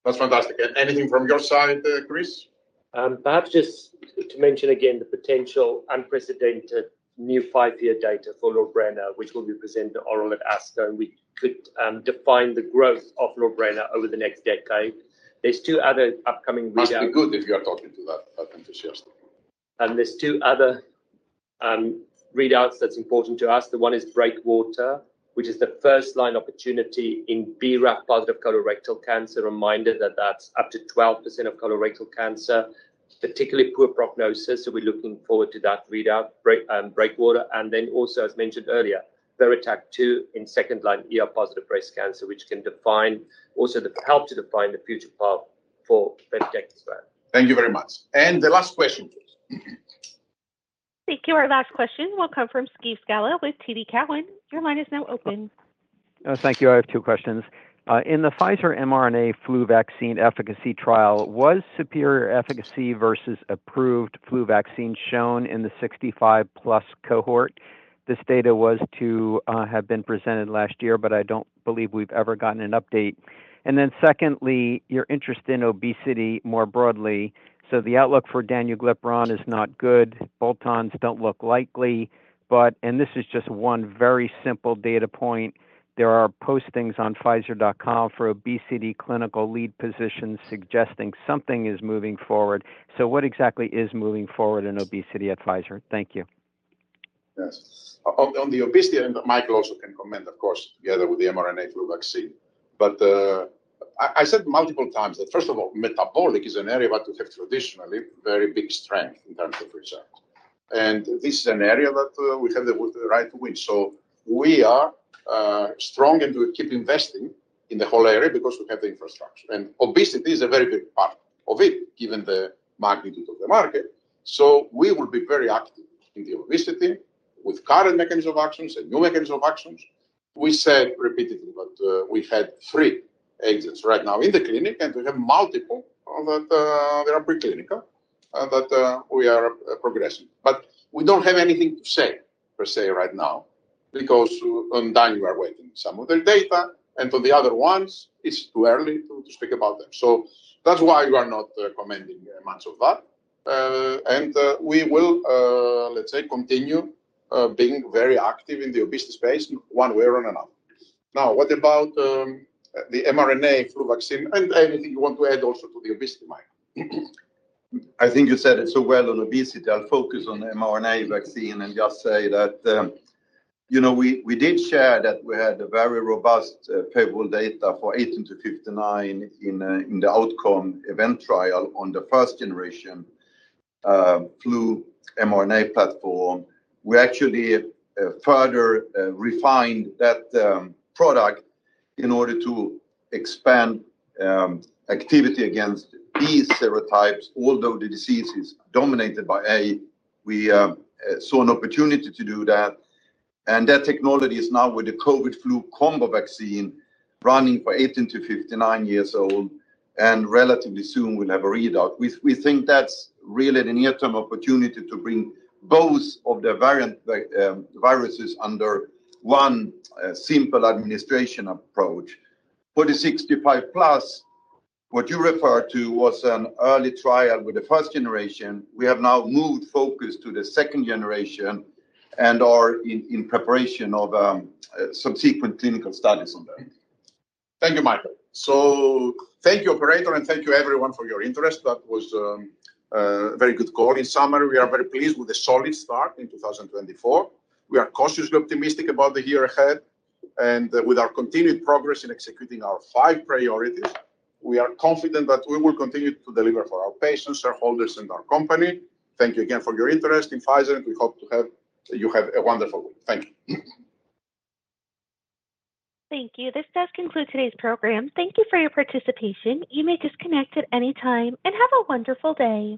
That's fantastic. And anything from your side, Chris? Perhaps just to mention again the potential unprecedented new five-year data for Lorbrena, which will be presented orally at ASCO. We could define the growth of Lorbrena over the next decade. There's two other upcoming readouts. That'd be good if you are talking to that enthusiastically. And there are two other readouts that's important to us. The one is Breakwater, which is the first-line opportunity in BRAF positive colorectal cancer. Reminder that that's up to 12% of colorectal cancer, particularly poor prognosis. So we're looking forward to that readout, Breakwater. And then also, as mentioned earlier, VERITAC-2 in second-line positive breast cancer, which can also help to define the future path for vepdegestrant strategy. Thank you very much. The last question, please. Thank you. Our last question will come from Steve Scala with TD Cowen. Your line is now open. Thank you. I have two questions. In the Pfizer mRNA flu vaccine efficacy trial, was superior efficacy versus approved flu vaccine shown in the 65-plus cohort? This data was to have been presented last year, but I don't believe we've ever gotten an update. And then secondly, your interest in obesity more broadly. So the outlook for danuglipron is not good. Orals don't look likely. And this is just one very simple data point. There are postings on Pfizer.com for obesity clinical lead positions suggesting something is moving forward. So what exactly is moving forward in obesity at Pfizer? Thank you. Yes. On the obesity end, Mikael also can comment, of course, together with the mRNA flu vaccine. But I said multiple times that, first of all, metabolic is an area that we have traditionally very big strength in terms of results. And this is an area that we have the right to win. So we are strong and we keep investing in the whole area because we have the infrastructure. And obesity is a very big part of it, given the magnitude of the market. So we will be very active in the obesity with current mechanisms of actions and new mechanisms of actions. We said repeatedly, but we had 3 agents right now in the clinic. And we have multiple that they are preclinical and that we are progressing. But we don't have anything to say per se right now because on that, we are waiting some of the data. And on the other ones, it's too early to speak about them. So that's why we are not commenting much of that. And we will, let's say, continue being very active in the obesity space one way or another. Now, what about the mRNA flu vaccine and anything you want to add also to the obesity, Mikael? I think you said it so well on obesity. I'll focus on the mRNA vaccine and just say that we did share that we had very robust efficacy data for 18-59 in the pivotal trial on the first-generation flu mRNA platform. We actually further refined that product in order to expand activity against these serotypes, although the disease is dominated by A. We saw an opportunity to do that. That technology is now with the COVID/flu combo vaccine running for 18-59 years old. Relatively soon, we'll have a readout. We think that's really the near-term opportunity to bring both of the viruses under one simple administration approach. For the 65+, what you referred to was an early trial with the first generation. We have now moved focus to the second generation and are in preparation of subsequent clinical studies on that. Thank you, Michael. So thank you, operator, and thank you, everyone, for your interest. That was a very good call in summary. We are very pleased with a solid start in 2024. We are cautiously optimistic about the year ahead. And with our continued progress in executing our five priorities, we are confident that we will continue to deliver for our patients, shareholders, and our company. Thank you again for your interest in Pfizer. And we hope you have a wonderful week. Thank you. Thank you. This does conclude today's program. Thank you for your participation. You may disconnect at any time and have a wonderful day.